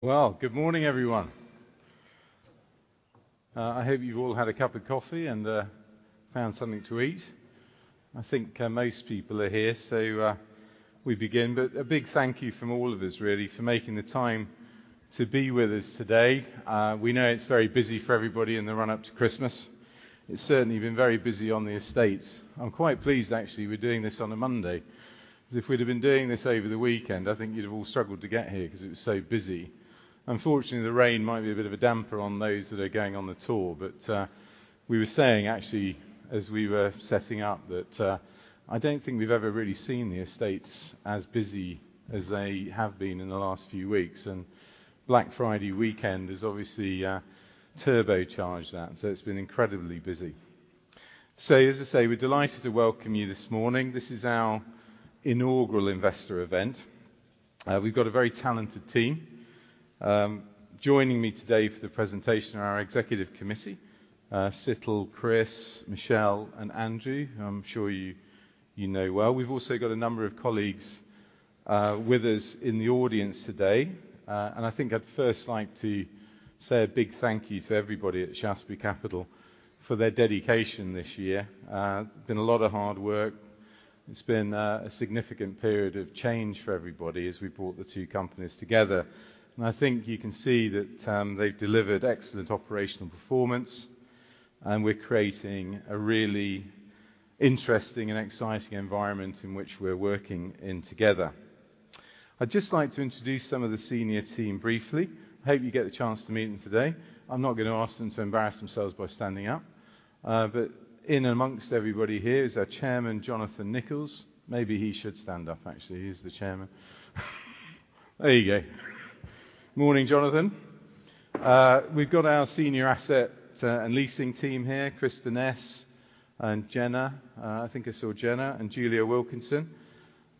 Well, good morning, everyone. I hope you've all had a cup of coffee and found something to eat. I think most people are here, so we begin. But a big thank you from all of us, really, for making the time to be with us today. We know it's very busy for everybody in the run-up to Christmas. It's certainly been very busy on the estates. I'm quite pleased, actually, we're doing this on a Monday, 'cause if we'd have been doing this over the weekend, I think you'd have all struggled to get here 'cause it was so busy. Unfortunately, the rain might be a bit of a damper on those that are going on the tour, but, we were saying, actually, as we were setting up, that, I don't think we've ever really seen the estates as busy as they have been in the last few weeks, and Black Friday weekend has obviously, turbocharged that, so it's been incredibly busy. So, as I say, we're delighted to welcome you this morning. This is our inaugural investor event. We've got a very talented team. Joining me today for the presentation are our Executive Committee, Sital, Chris, Michelle, and Andrew, who I'm sure you know well. We've also got a number of colleagues with us in the audience today. And I think I'd first like to say a big thank you to everybody at Shaftesbury Capital for their dedication this year. Been a lot of hard work. It's been a significant period of change for everybody as we've brought the two companies together, and I think you can see that, they've delivered excellent operational performance, and we're creating a really interesting and exciting environment in which we're working in together. I'd just like to introduce some of the senior team briefly. Hope you get the chance to meet them today. I'm not gonna ask them to embarrass themselves by standing up. But in and amongst everybody here is our Chairman, Jonathan Nicholls. Maybe he should stand up, actually. He's the Chairman. There you go. Morning, Jonathan. We've got our senior asset and leasing team here, Chris Denness and Jenna. I think I saw Jenna and Julia Wilkinson.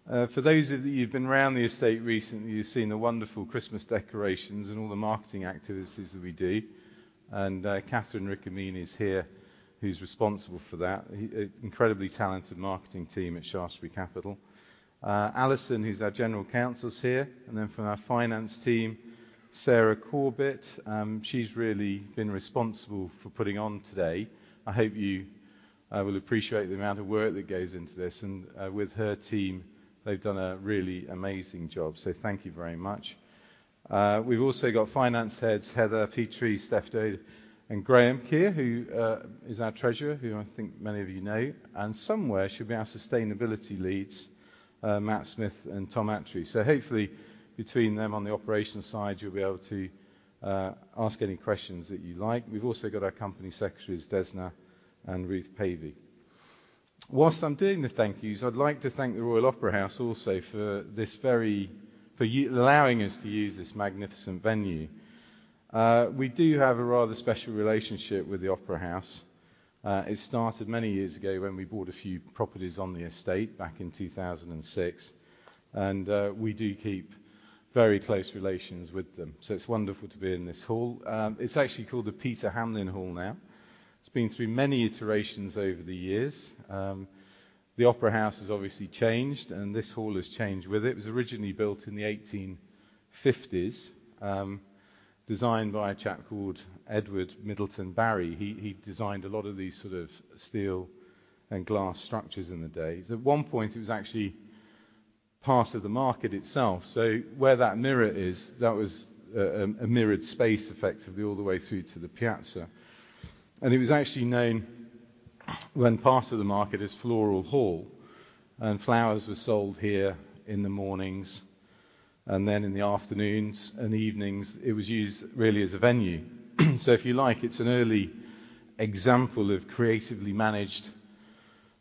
For those of you who've been round the estate recently, you've seen the wonderful Christmas decorations and all the marketing activities that we do. And Catherine Riccomini is here, who's responsible for that. Incredibly talented marketing team at Shaftesbury Capital. Alison, who's our general counsel, is here, and then from our finance team, Sarah Corbett. She's really been responsible for putting on today. I hope you will appreciate the amount of work that goes into this, and with her team, they've done a really amazing job, so thank you very much. We've also got finance heads, Heather Petrie, Steph Dade, and Graham here, who is our treasurer, who I think many of you know. And somewhere should be our sustainability leads, Matt Smith and Tom Atchley. So hopefully, between them on the operations side, you'll be able to ask any questions that you like. We've also got our company secretaries, Desna and Ruth Pavey. While I'm doing the thank yous, I'd like to thank the Royal Opera House also for this very, for allowing us to use this magnificent venue. We do have a rather special relationship with the Opera House. It started many years ago when we bought a few properties on the estate back in 2006, and we do keep very close relations with them, so it's wonderful to be in this hall. It's actually called the Paul Hamlyn Hall now. It's been through many iterations over the years. The Opera House has obviously changed, and this hall has changed with it. It was originally built in the 1850s, designed by a chap called Edward Middleton Barry. He, he designed a lot of these sort of steel and glass structures in the day. At one point, it was actually part of the market itself. So where that mirror is, that was a mirrored space, effectively, all the way through to the Piazza. And it was actually known, when part of the market, as Floral Hall, and flowers were sold here in the mornings, and then in the afternoons and the evenings, it was used really as a venue. So if you like, it's an early example of creatively managed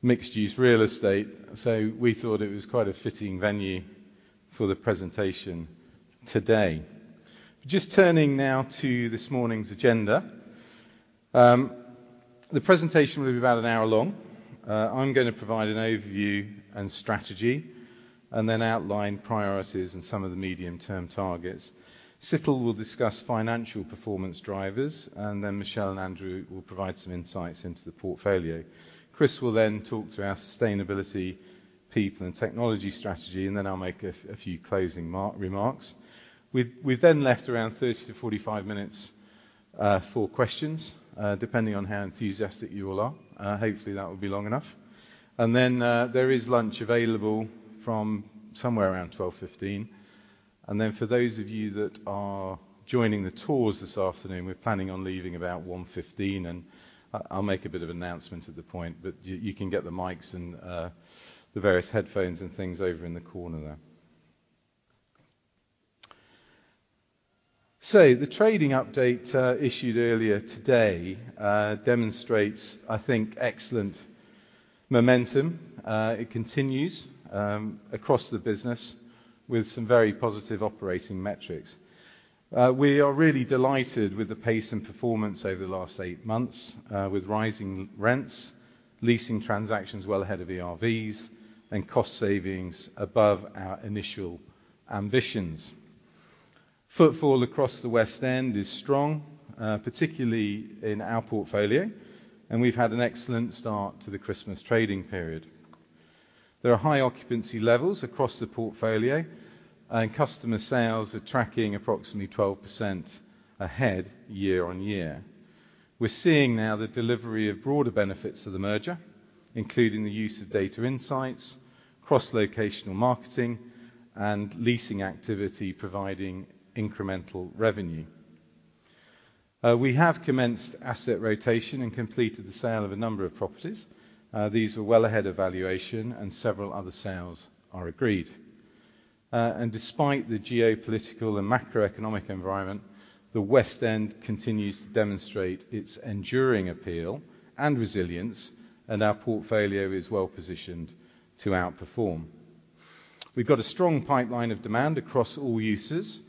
mixed-use real estate, so we thought it was quite a fitting venue for the presentation today. Just turning now to this morning's agenda. The presentation will be about an hour long. I'm gonna provide an overview and strategy and then outline priorities and some of the medium-term targets. Sital will discuss financial performance drivers, and then Michelle and Andrew will provide some insights into the portfolio. Chris will then talk through our sustainability, people, and technology strategy, and then I'll make a few closing remarks. We've then left around 30-45 minutes for questions, depending on how enthusiastic you all are. Hopefully, that will be long enough. And then, there is lunch available from somewhere around 12:15 P.M. And then, for those of you that are joining the tours this afternoon, we're planning on leaving about 1:15 P.M., and I'll make a bit of announcement at the point, but you can get the mics and the various headphones and things over in the corner there. The trading update issued earlier today demonstrates, I think, excellent momentum. It continues across the business with some very positive operating metrics. We are really delighted with the pace and performance over the last eight months with rising rents, leasing transactions well ahead of ERVs, and cost savings above our initial ambitions. Footfall across the West End is strong, particularly in our portfolio, and we've had an excellent start to the Christmas trading period. There are high occupancy levels across the portfolio, and customer sales are tracking approximately 12% ahead year-on-year. We're seeing now the delivery of broader benefits of the merger, including the use of data insights, cross-locational marketing, and leasing activity, providing incremental revenue. We have commenced asset rotation and completed the sale of a number of properties. These were well ahead of valuation and several other sales are agreed. Despite the geopolitical and macroeconomic environment, the West End continues to demonstrate its enduring appeal and resilience, and our portfolio is well-positioned to outperform. We've got a strong pipeline of demand across all uses,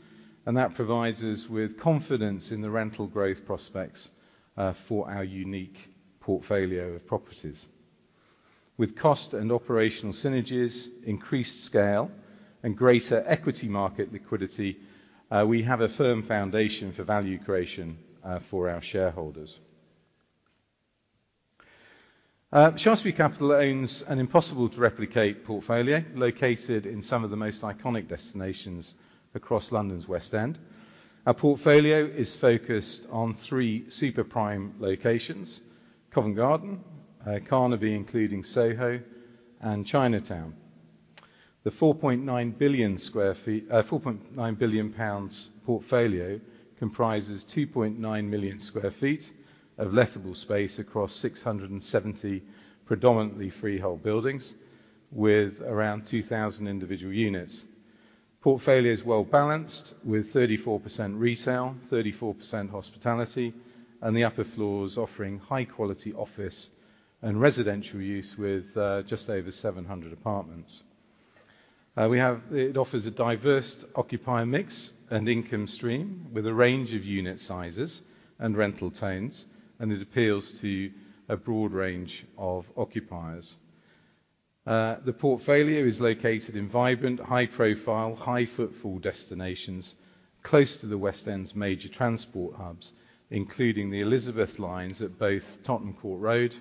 and that provides us with confidence in the rental growth prospects for our unique portfolio of properties. With cost and operational synergies, increased scale, and greater equity market liquidity, we have a firm foundation for value creation for our shareholders. Shaftesbury Capital owns an impossible-to-replicate portfolio, located in some of the most iconic destinations across London's West End. Our portfolio is focused on three super prime locations: Covent Garden, Carnaby, including Soho, and Chinatown. The 4.9 billion sq ft, 4.9 billion pounds portfolio comprises 2.9 million sq ft of lettable space across 670 predominantly freehold buildings, with around 2,000 individual units. Portfolio is well-balanced, with 34% retail, 34% hospitality, and the upper floors offering high-quality office and residential use with just over 700 apartments. It offers a diverse occupier mix and income stream with a range of unit sizes and rental tones, and it appeals to a broad range of occupiers. The portfolio is located in vibrant, high-profile, high-footfall destinations close to the West End's major transport hubs, including the Elizabeth line at both Tottenham Court Road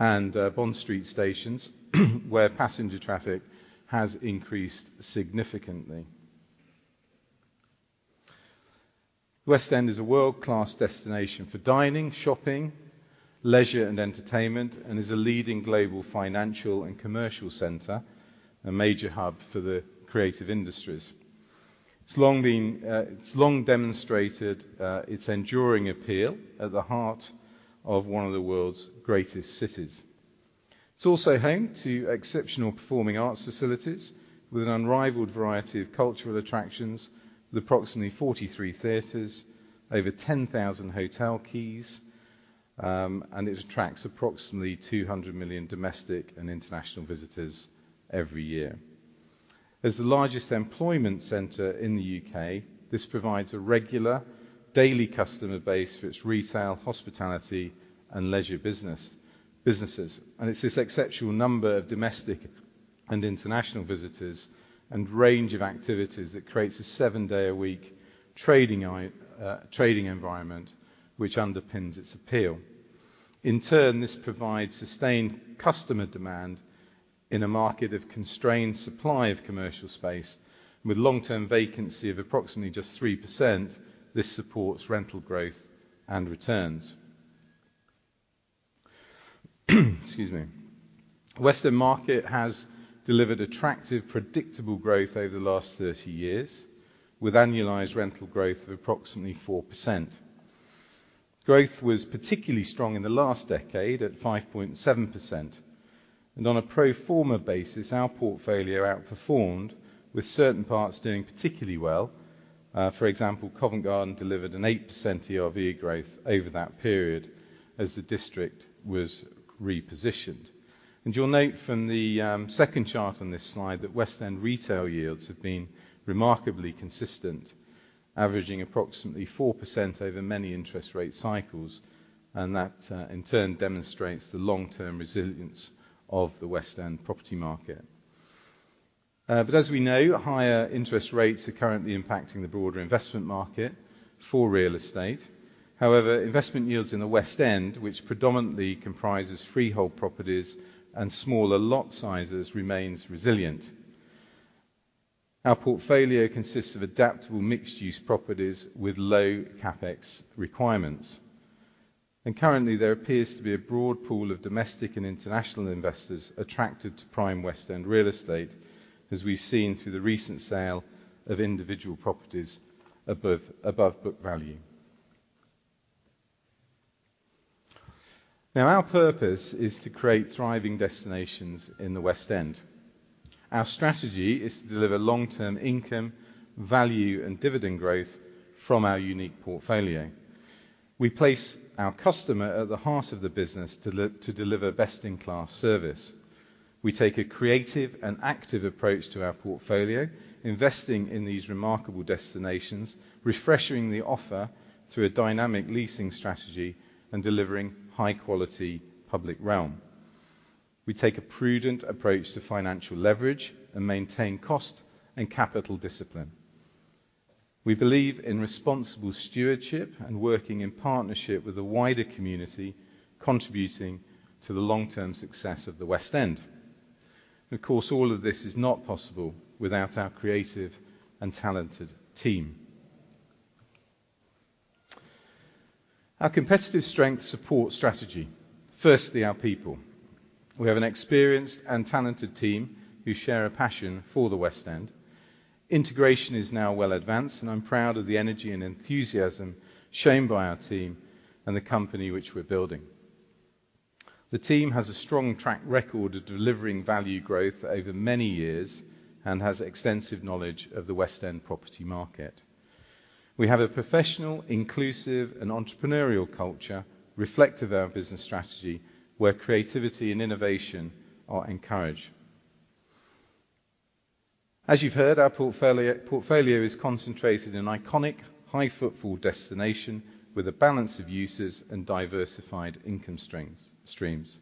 and Bond Street stations, where passenger traffic has increased significantly. West End is a world-class destination for dining, shopping, leisure, and entertainment, and is a leading global financial and commercial center, a major hub for the creative industries. It's long been, it's long demonstrated, its enduring appeal at the heart of one of the world's greatest cities. It's also home to exceptional performing arts facilities with an unrivaled variety of cultural attractions, with approximately 43 theaters, over 10,000 hotel keys, and it attracts approximately 200 million domestic and international visitors every year. As the largest employment center in the U.K., this provides a regular daily customer base for its retail, hospitality, and leisure business, businesses. And it's this exceptional number of domestic and international visitors and range of activities that creates a seven-day-a-week trading environment, which underpins its appeal. In turn, this provides sustained customer demand in a market of constrained supply of commercial space. With long-term vacancy of approximately just 3%, this supports rental growth and returns. Excuse me. West End market has delivered attractive, predictable growth over the last 30 years, with annualized rental growth of approximately 4%. Growth was particularly strong in the last decade at 5.7%, and on a pro forma basis, our portfolio outperformed, with certain parts doing particularly well. For example, Covent Garden delivered an 8% ERV growth over that period as the district was repositioned. And you'll note from the second chart on this slide that West End retail yields have been remarkably consistent, averaging approximately 4% over many interest rate cycles, and that in turn demonstrates the long-term resilience of the West End property market. But as we know, higher interest rates are currently impacting the broader investment market for real estate. However, investment yields in the West End, which predominantly comprises freehold properties and smaller lot sizes, remains resilient. Our portfolio consists of adaptable mixed-use properties with low CapEx requirements. Currently, there appears to be a broad pool of domestic and international investors attracted to prime West End real estate, as we've seen through the recent sale of individual properties above book value. Now, our purpose is to create thriving destinations in the West End. Our strategy is to deliver long-term income, value, and dividend growth from our unique portfolio. We place our customer at the heart of the business to deliver best-in-class service. We take a creative and active approach to our portfolio, investing in these remarkable destinations, refreshing the offer through a dynamic leasing strategy, and delivering high-quality public realm. We take a prudent approach to financial leverage and maintain cost and capital discipline. We believe in responsible stewardship and working in partnership with the wider community, contributing to the long-term success of the West End. Of course, all of this is not possible without our creative and talented team. Our competitive strengths support strategy. Firstly, our people. We have an experienced and talented team who share a passion for the West End. Integration is now well advanced, and I'm proud of the energy and enthusiasm shown by our team and the company which we're building. The team has a strong track record of delivering value growth over many years and has extensive knowledge of the West End property market. We have a professional, inclusive and entrepreneurial culture reflective of our business strategy, where creativity and innovation are encouraged. As you've heard, our portfolio is concentrated in iconic, high-footfall destination with a balance of uses and diversified income streams.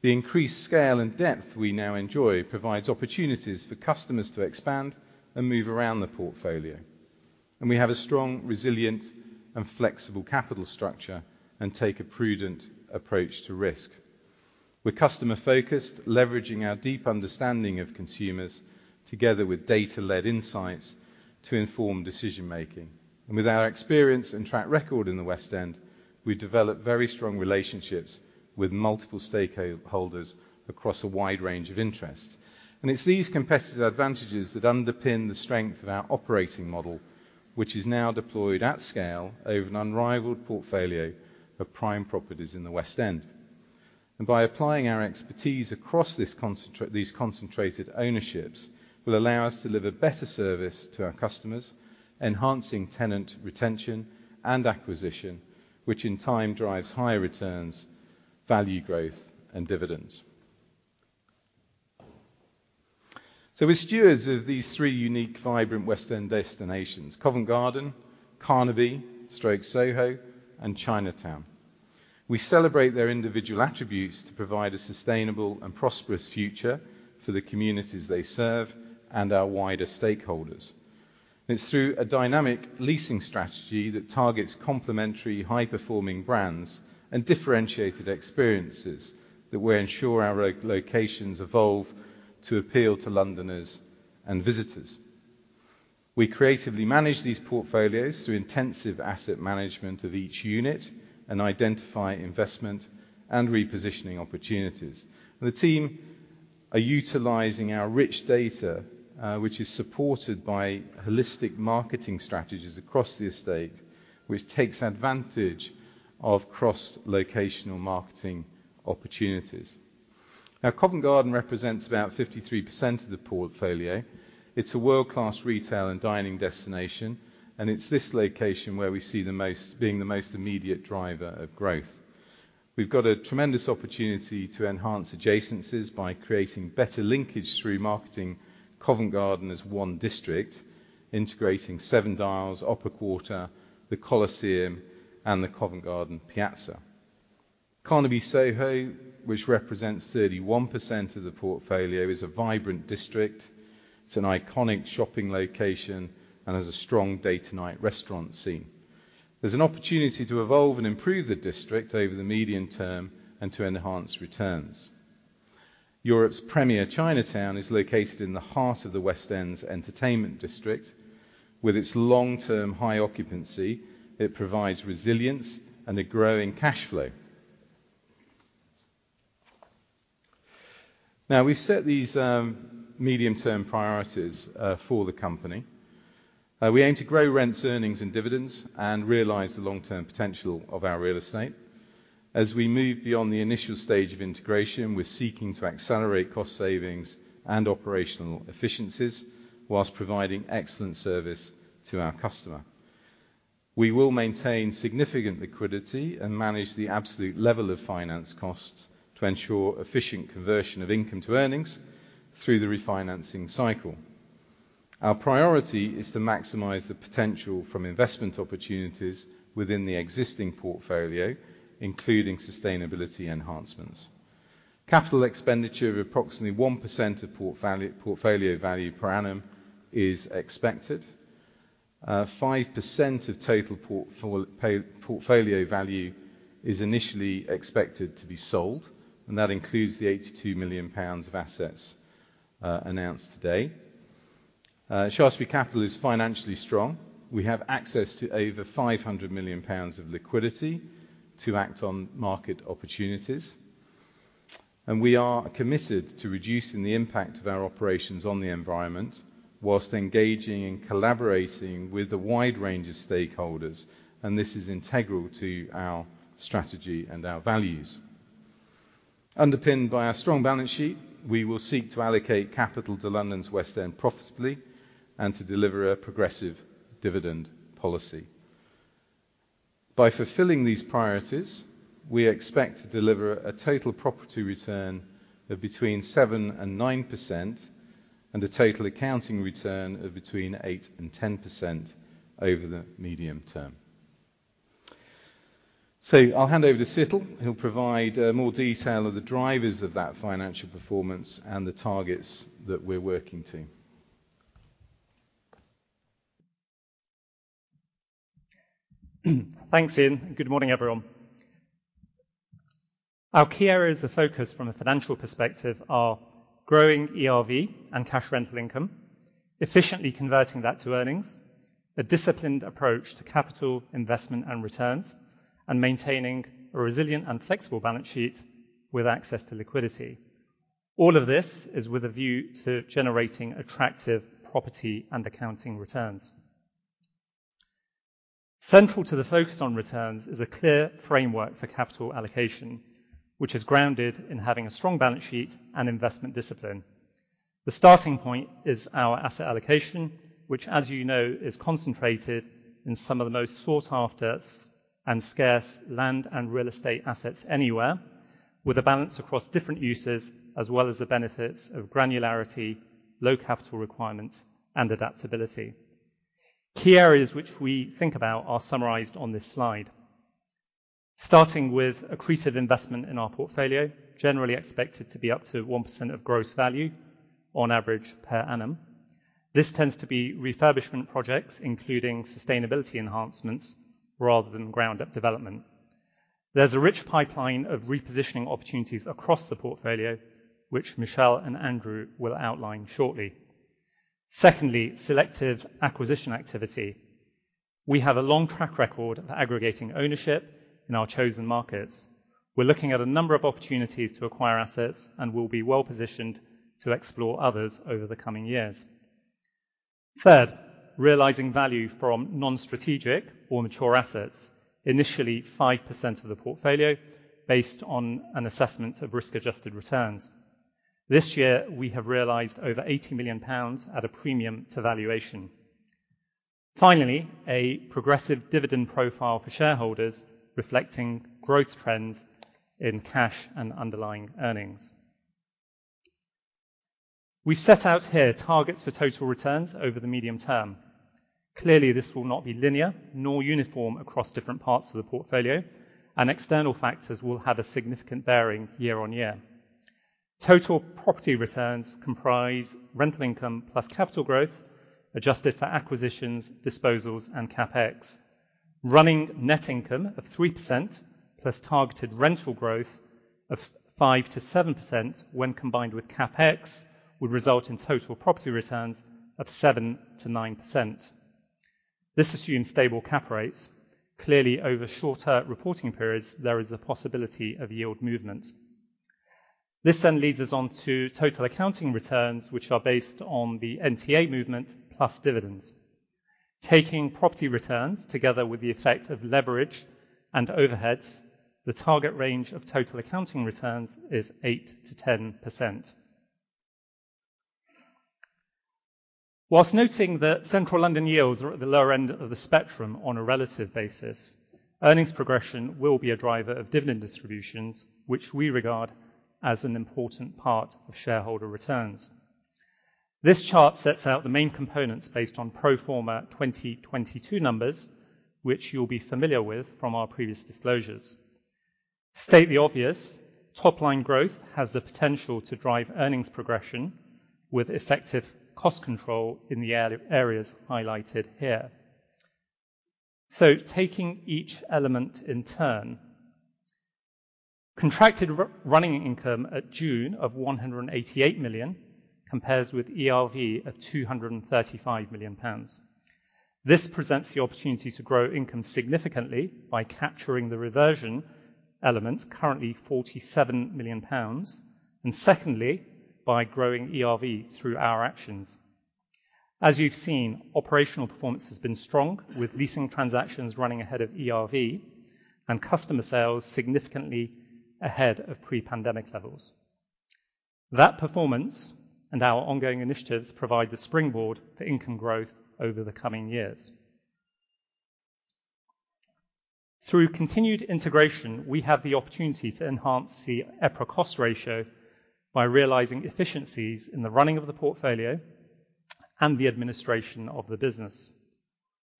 The increased scale and depth we now enjoy provides opportunities for customers to expand and move around the portfolio, and we have a strong, resilient and flexible capital structure and take a prudent approach to risk. We're customer-focused, leveraging our deep understanding of consumers together with data-led insights to inform decision-making. And with our experience and track record in the West End, we've developed very strong relationships with multiple stakeholders across a wide range of interests. And it's these competitive advantages that underpin the strength of our operating model, which is now deployed at scale over an unrivaled portfolio of prime properties in the West End. By applying our expertise across these concentrated ownerships, will allow us to deliver better service to our customers, enhancing tenant retention and acquisition, which in time drives higher returns, value growth and dividends. We're stewards of these three unique, vibrant West End destinations: Covent Garden, Carnaby/Soho, and Chinatown. We celebrate their individual attributes to provide a sustainable and prosperous future for the communities they serve and our wider stakeholders. It's through a dynamic leasing strategy that targets complementary, high-performing brands and differentiated experiences that we ensure our locations evolve to appeal to Londoners and visitors. We creatively manage these portfolios through intensive asset management of each unit and identify investment and repositioning opportunities. The team are utilizing our rich data, which is supported by holistic marketing strategies across the estate, which takes advantage of cross-locational marketing opportunities. Now, Covent Garden represents about 53% of the portfolio. It's a world-class retail and dining destination, and it's this location where we see the most immediate driver of growth. We've got a tremendous opportunity to enhance adjacencies by creating better linkage through marketing Covent Garden as one district, integrating Seven Dials, Opera Quarter, the Coliseum, and the Covent Garden Piazza. Carnaby Soho, which represents 31% of the portfolio, is a vibrant district. It's an iconic shopping location and has a strong day-to-night restaurant scene. There's an opportunity to evolve and improve the district over the medium term and to enhance returns. Europe's premier Chinatown is located in the heart of the West End's entertainment district. With its long-term high occupancy, it provides resilience and a growing cash flow. Now, we've set these medium-term priorities for the company. We aim to grow rents, earnings, and dividends and realize the long-term potential of our real estate. As we move beyond the initial stage of integration, we're seeking to accelerate cost savings and operational efficiencies while providing excellent service to our customer. We will maintain significant liquidity and manage the absolute level of finance costs to ensure efficient conversion of income to earnings through the refinancing cycle. Our priority is to maximize the potential from investment opportunities within the existing portfolio, including sustainability enhancements. Capital expenditure of approximately 1% of portfolio value per annum is expected. 5% of total portfolio value is initially expected to be sold, and that includes the 82 million pounds of assets announced today. Shaftesbury Capital is financially strong. We have access to over 500 million pounds of liquidity to act on market opportunities, and we are committed to reducing the impact of our operations on the environment while engaging and collaborating with a wide range of stakeholders, and this is integral to our strategy and our values. Underpinned by our strong balance sheet, we will seek to allocate capital to London's West End profitably and to deliver a progressive dividend policy. By fulfilling these priorities, we expect to deliver a total property return of between 7% and 9% and a total accounting return of between 8% and 10% over the medium term. So I'll hand over to Sital. He'll provide more detail of the drivers of that financial performance and the targets that we're working to. Thanks, Ian, and good morning, everyone. Our key areas of focus from a financial perspective are growing ERV and cash rental income, efficiently converting that to earnings, a disciplined approach to capital investment and returns, and maintaining a resilient and flexible balance sheet with access to liquidity. All of this is with a view to generating attractive property and accounting returns. Central to the focus on returns is a clear framework for capital allocation, which is grounded in having a strong balance sheet and investment discipline. The starting point is our asset allocation, which, as you know, is concentrated in some of the most sought-after and scarce land and real estate assets anywhere, with a balance across different uses, as well as the benefits of granularity, low capital requirements, and adaptability. Key areas which we think about are summarized on this slide. Starting with accretive investment in our portfolio, generally expected to be up to 1% of gross value on average per annum. This tends to be refurbishment projects, including sustainability enhancements rather than ground-up development. There's a rich pipeline of repositioning opportunities across the portfolio, which Michelle and Andrew will outline shortly. Secondly, selective acquisition activity. We have a long track record of aggregating ownership in our chosen markets. We're looking at a number of opportunities to acquire assets, and we'll be well-positioned to explore others over the coming years. Third, realizing value from non-strategic or mature assets, initially 5% of the portfolio, based on an assessment of risk-adjusted returns. This year, we have realized over 80 million pounds at a premium to valuation. Finally, a progressive dividend profile for shareholders, reflecting growth trends in cash and underlying earnings. We've set out here targets for total returns over the medium term. Clearly, this will not be linear nor uniform across different parts of the portfolio, and external factors will have a significant bearing year on year. Total property returns comprise rental income plus capital growth, adjusted for acquisitions, disposals, and CapEx. Running net income of 3%, plus targeted rental growth of 5%-7% when combined with CapEx, would result in total property returns of 7%-9%. This assumes stable cap rates. Clearly, over shorter reporting periods, there is a possibility of yield movement. This then leads us on to total accounting returns, which are based on the NTA movement, plus dividends. Taking property returns together with the effect of leverage and overheads, the target range of total accounting returns is 8%-10%. While noting that Central London yields are at the lower end of the spectrum on a relative basis, earnings progression will be a driver of dividend distributions, which we regard as an important part of shareholder returns. This chart sets out the main components based on pro forma 2022 numbers, which you'll be familiar with from our previous disclosures. State the obvious, top-line growth has the potential to drive earnings progression with effective cost control in the areas highlighted here. Taking each element in turn. Contracted running income at June of 188 million, compares with ERV of 235 million pounds. This presents the opportunity to grow income significantly by capturing the reversion elements, currently 47 million pounds, and secondly, by growing ERV through our actions. As you've seen, operational performance has been strong, with leasing transactions running ahead of ERV and customer sales significantly ahead of pre-pandemic levels. That performance and our ongoing initiatives provide the springboard for income growth over the coming years. Through continued integration, we have the opportunity to enhance the EPRA Cost Ratio by realizing efficiencies in the running of the portfolio and the administration of the business.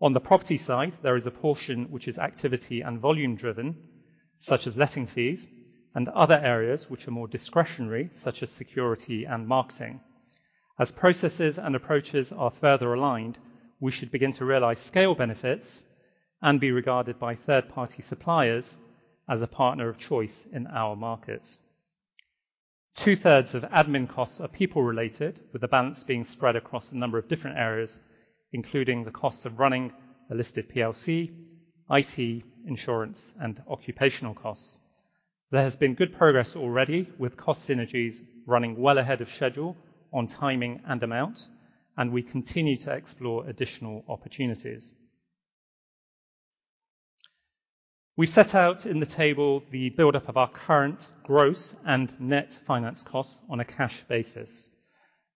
On the property side, there is a portion which is activity and volume driven, such as letting fees and other areas which are more discretionary, such as security and marketing. As processes and approaches are further aligned, we should begin to realize scale benefits and be regarded by third-party suppliers as a partner of choice in our markets. 2/3 of admin costs are people-related, with the balance being spread across a number of different areas, including the costs of running a listed PLC, IT, insurance, and occupational costs. There has been good progress already, with cost synergies running well ahead of schedule on timing and amount, and we continue to explore additional opportunities. We set out in the table the buildup of our current gross and net finance costs on a cash basis.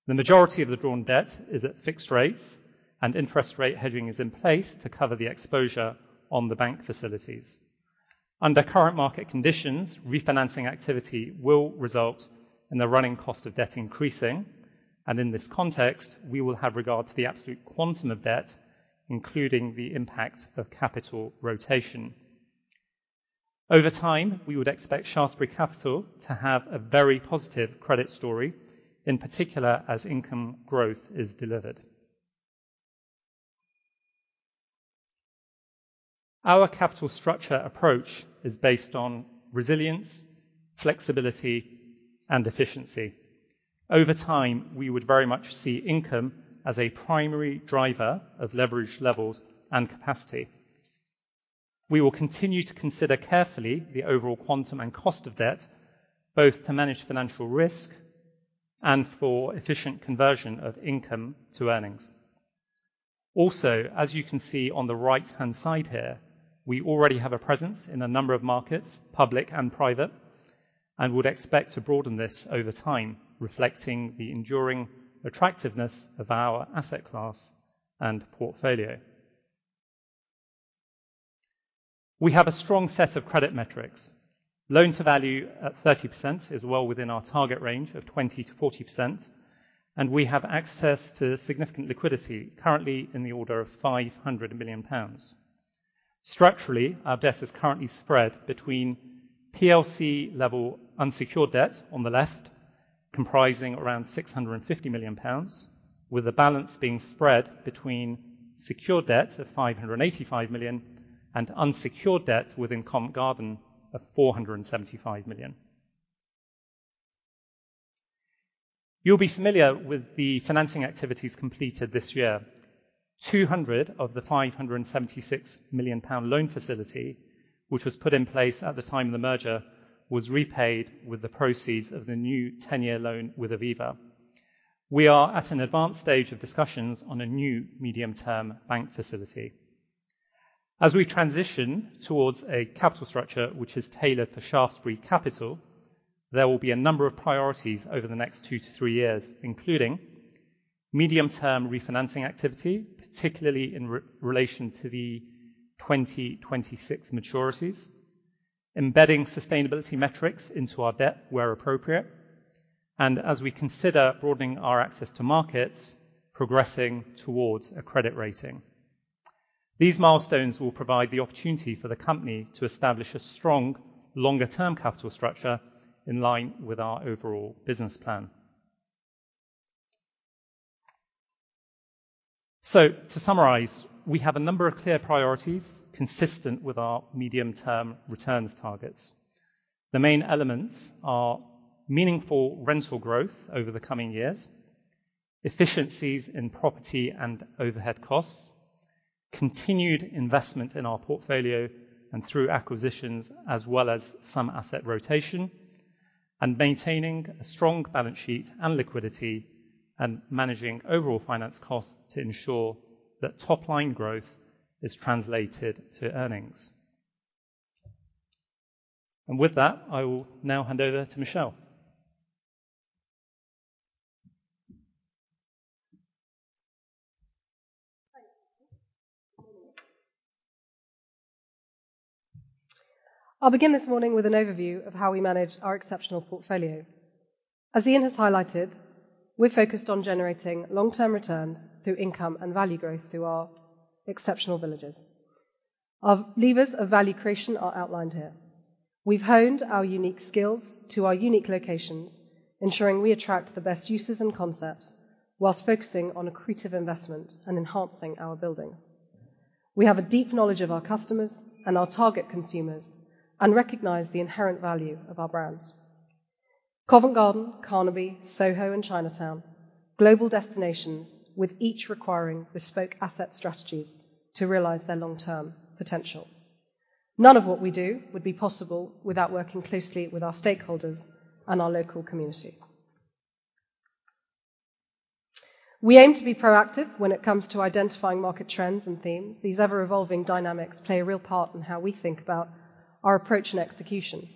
The majority of the drawn debt is at fixed rates, and interest rate hedging is in place to cover the exposure on the bank facilities. Under current market conditions, refinancing activity will result in the running cost of debt increasing, and in this context, we will have regard to the absolute quantum of debt, including the impact of capital rotation. Over time, we would expect Shaftesbury Capital to have a very positive credit story, in particular, as income growth is delivered. Our capital structure approach is based on resilience, flexibility, and efficiency. Over time, we would very much see income as a primary driver of leverage levels and capacity. We will continue to consider carefully the overall quantum and cost of debt, both to manage financial risk and for efficient conversion of income to earnings. Also, as you can see on the right-hand side here, we already have a presence in a number of markets, public and private, and would expect to broaden this over time, reflecting the enduring attractiveness of our asset class and portfolio. We have a strong set of credit metrics. Loan-to-value at 30% is well within our target range of 20%-40%, and we have access to significant liquidity, currently in the order of 500 million pounds. Structurally, our debt is currently spread between PLC level unsecured debt on the left, comprising around 650 million pounds, with the balance being spread between secured debts of 585 million and unsecured debts within Covent Garden of 475 million. You'll be familiar with the financing activities completed this year. 200 million of the 576 million pound loan facility, which was put in place at the time of the merger, was repaid with the proceeds of the new 10-year loan with Aviva. We are at an advanced stage of discussions on a new medium-term bank facility. As we transition towards a capital structure, which is tailored for Shaftesbury Capital, there will be a number of priorities over the next two-three years, including medium-term refinancing activity, particularly in re-relation to the 2026 maturities, embedding sustainability metrics into our debt, where appropriate, and as we consider broadening our access to markets, progressing towards a credit rating. These milestones will provide the opportunity for the company to establish a strong, longer-term capital structure in line with our overall business plan. To summarize, we have a number of clear priorities consistent with our medium-term returns targets. The main elements are meaningful rental growth over the coming years, efficiencies in property and overhead costs, continued investment in our portfolio and through acquisitions, as well as some asset rotation, and maintaining a strong balance sheet and liquidity, and managing overall finance costs to ensure that top-line growth is translated to earnings. With that, I will now hand over to Michelle. I'll begin this morning with an overview of how we manage our exceptional portfolio. As Ian has highlighted, we're focused on generating long-term returns through income and value growth through our exceptional villages. Our levers of value creation are outlined here. We've honed our unique skills to our unique locations, ensuring we attract the best uses and concepts, while focusing on accretive investment and enhancing our buildings. We have a deep knowledge of our customers and our target consumers and recognize the inherent value of our brands. Covent Garden, Carnaby, Soho, and Chinatown, global destinations with each requiring bespoke asset strategies to realize their long-term potential. None of what we do would be possible without working closely with our stakeholders and our local community. We aim to be proactive when it comes to identifying market trends and themes. These ever-evolving dynamics play a real part in how we think about our approach and execution.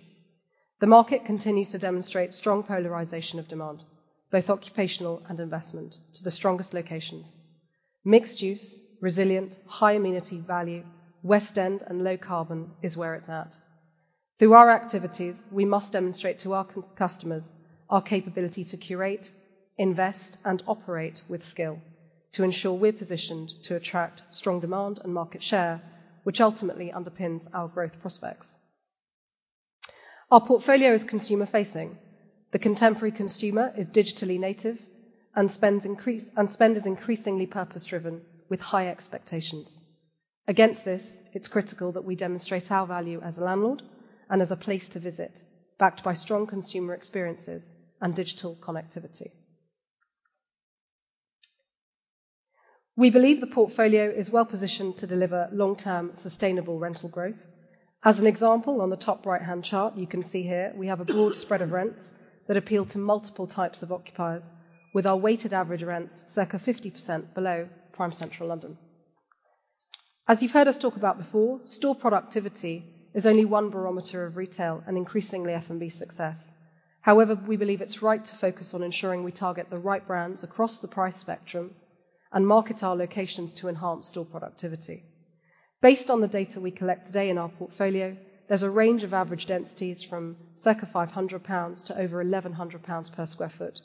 The market continues to demonstrate strong polarization of demand, both occupational and investment, to the strongest locations. Mixed use, resilient, high amenity value, West End, and low carbon is where it's at. Through our activities, we must demonstrate to our customers our capability to curate, invest, and operate with skill to ensure we're positioned to attract strong demand and market share, which ultimately underpins our growth prospects. Our portfolio is consumer-facing. The contemporary consumer is digitally native and spend is increasingly purpose-driven with high expectations. Against this, it's critical that we demonstrate our value as a landlord and as a place to visit, backed by strong consumer experiences and digital connectivity. We believe the portfolio is well positioned to deliver long-term, sustainable rental growth. As an example, on the top right-hand chart, you can see here, we have a broad spread of rents that appeal to multiple types of occupiers, with our weighted average rents circa 50% below prime Central London. As you've heard us talk about before, store productivity is only one barometer of retail and increasingly F&B success. However, we believe it's right to focus on ensuring we target the right brands across the price spectrum and market our locations to enhance store productivity. Based on the data we collect today in our portfolio, there's a range of average densities from circa 500 pounds to over 1,100 pounds per sq ft,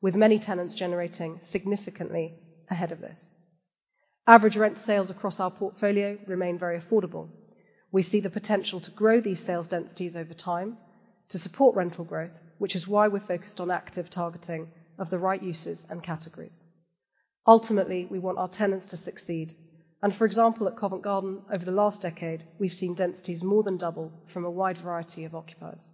with many tenants generating significantly ahead of this. Average rent sales across our portfolio remain very affordable. We see the potential to grow these sales densities over time to support rental growth, which is why we're focused on active targeting of the right uses and categories. Ultimately, we want our tenants to succeed, and for example, at Covent Garden, over the last decade, we've seen densities more than double from a wide variety of occupiers.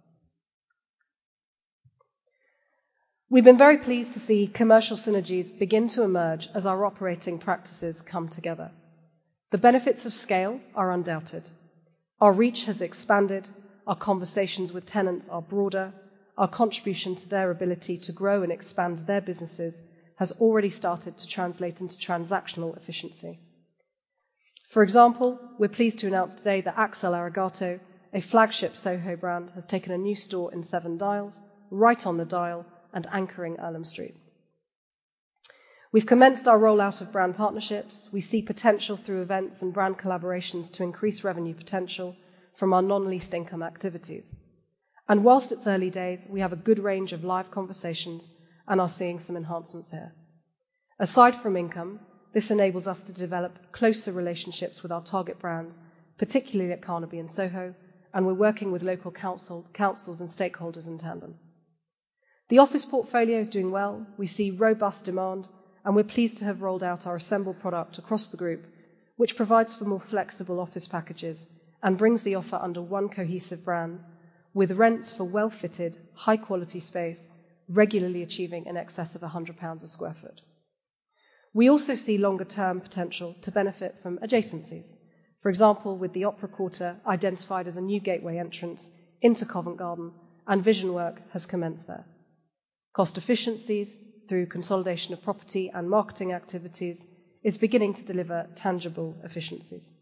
We've been very pleased to see commercial synergies begin to emerge as our operating practices come together. The benefits of scale are undoubted. Our reach has expanded, our conversations with tenants are broader, our contribution to their ability to grow and expand their businesses has already started to translate into transactional efficiency. For example, we're pleased to announce today that Axel Arigato, a flagship Soho brand, has taken a new store in Seven Dials, right on the dial and anchoring Earlham Street. We've commenced our rollout of brand partnerships. We see potential through events and brand collaborations to increase revenue potential from our non-leased income activities. While it's early days, we have a good range of live conversations and are seeing some enhancements here. Aside from income, this enables us to develop closer relationships with our target brands, particularly at Carnaby and Soho, and we're working with local council, councils and stakeholders in tandem. The office portfolio is doing well. We see robust demand, and we're pleased to have rolled out our assembled product across the group, which provides for more flexible office packages and brings the offer under one cohesive brands, with rents for well-fitted, high-quality space, regularly achieving in excess of 100 pounds/sq ft. We also see longer-term potential to benefit from adjacencies. For example, with the Opera Quarter identified as a new gateway entrance into Covent Garden, and vision work has commenced there. Cost efficiencies through consolidation of property and marketing activities is beginning to deliver tangible efficiencies.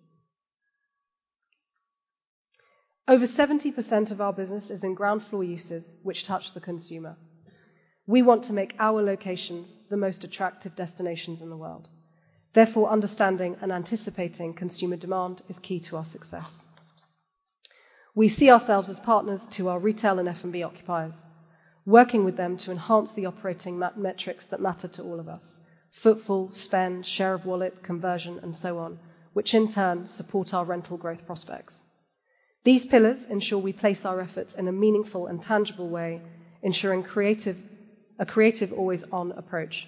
Over 70% of our business is in ground floor uses, which touch the consumer. We want to make our locations the most attractive destinations in the world. Therefore, understanding and anticipating consumer demand is key to our success. We see ourselves as partners to our retail and F&B occupiers, working with them to enhance the operating metrics that matter to all of us: footfall, spend, share of wallet, conversion, and so on, which in turn support our rental growth prospects. These pillars ensure we place our efforts in a meaningful and tangible way, ensuring a creative always-on approach.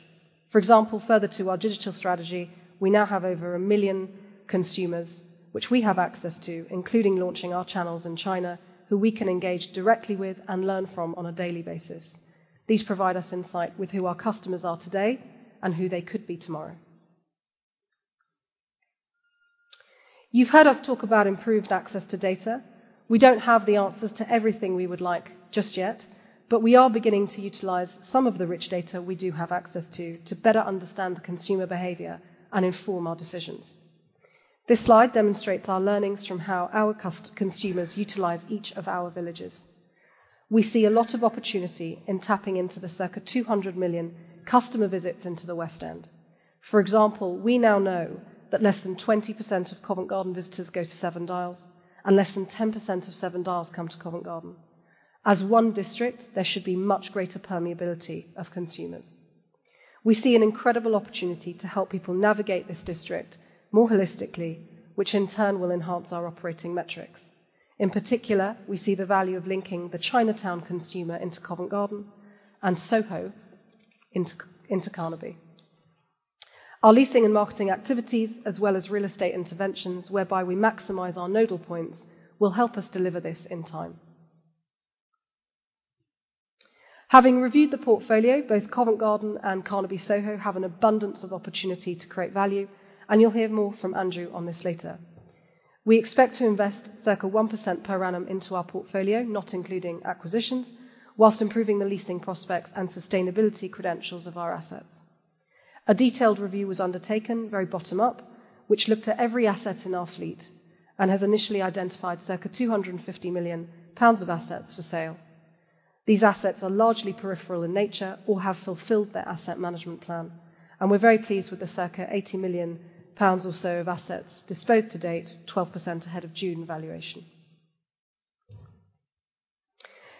For example, further to our digital strategy, we now have over 1 million consumers, which we have access to, including launching our channels in China, who we can engage directly with and learn from on a daily basis. These provide us insight with who our customers are today and who they could be tomorrow. You've heard us talk about improved access to data. We don't have the answers to everything we would like just yet, but we are beginning to utilize some of the rich data we do have access to, to better understand the consumer behavior and inform our decisions. This slide demonstrates our learnings from how our consumers utilize each of our villages. We see a lot of opportunity in tapping into the circa 200 million customer visits into the West End. For example, we now know that less than 20% of Covent Garden visitors go to Seven Dials, and less than 10% of Seven Dials come to Covent Garden. As one district, there should be much greater permeability of consumer. We see an incredible opportunity to help people navigate this district more holistically, which in turn will enhance our operating metrics. In particular, we see the value of linking the Chinatown consumer into Covent Garden and Soho into Carnaby. Our leasing and marketing activities, as well as real estate interventions, whereby we maximize our nodal points, will help us deliver this in time. Having reviewed the portfolio, both Covent Garden and Carnaby, Soho, have an abundance of opportunity to create value, and you'll hear more from Andrew on this later. We expect to invest circa 1% per annum into our portfolio, not including acquisitions, whilst improving the leasing prospects and sustainability credentials of our assets. A detailed review was undertaken, very bottom up, which looked at every asset in our fleet and has initially identified circa 250 million pounds of assets for sale. These assets are largely peripheral in nature or have fulfilled their asset management plan, and we're very pleased with the circa 80 million pounds or so of assets disposed to date, 12% ahead of June valuation.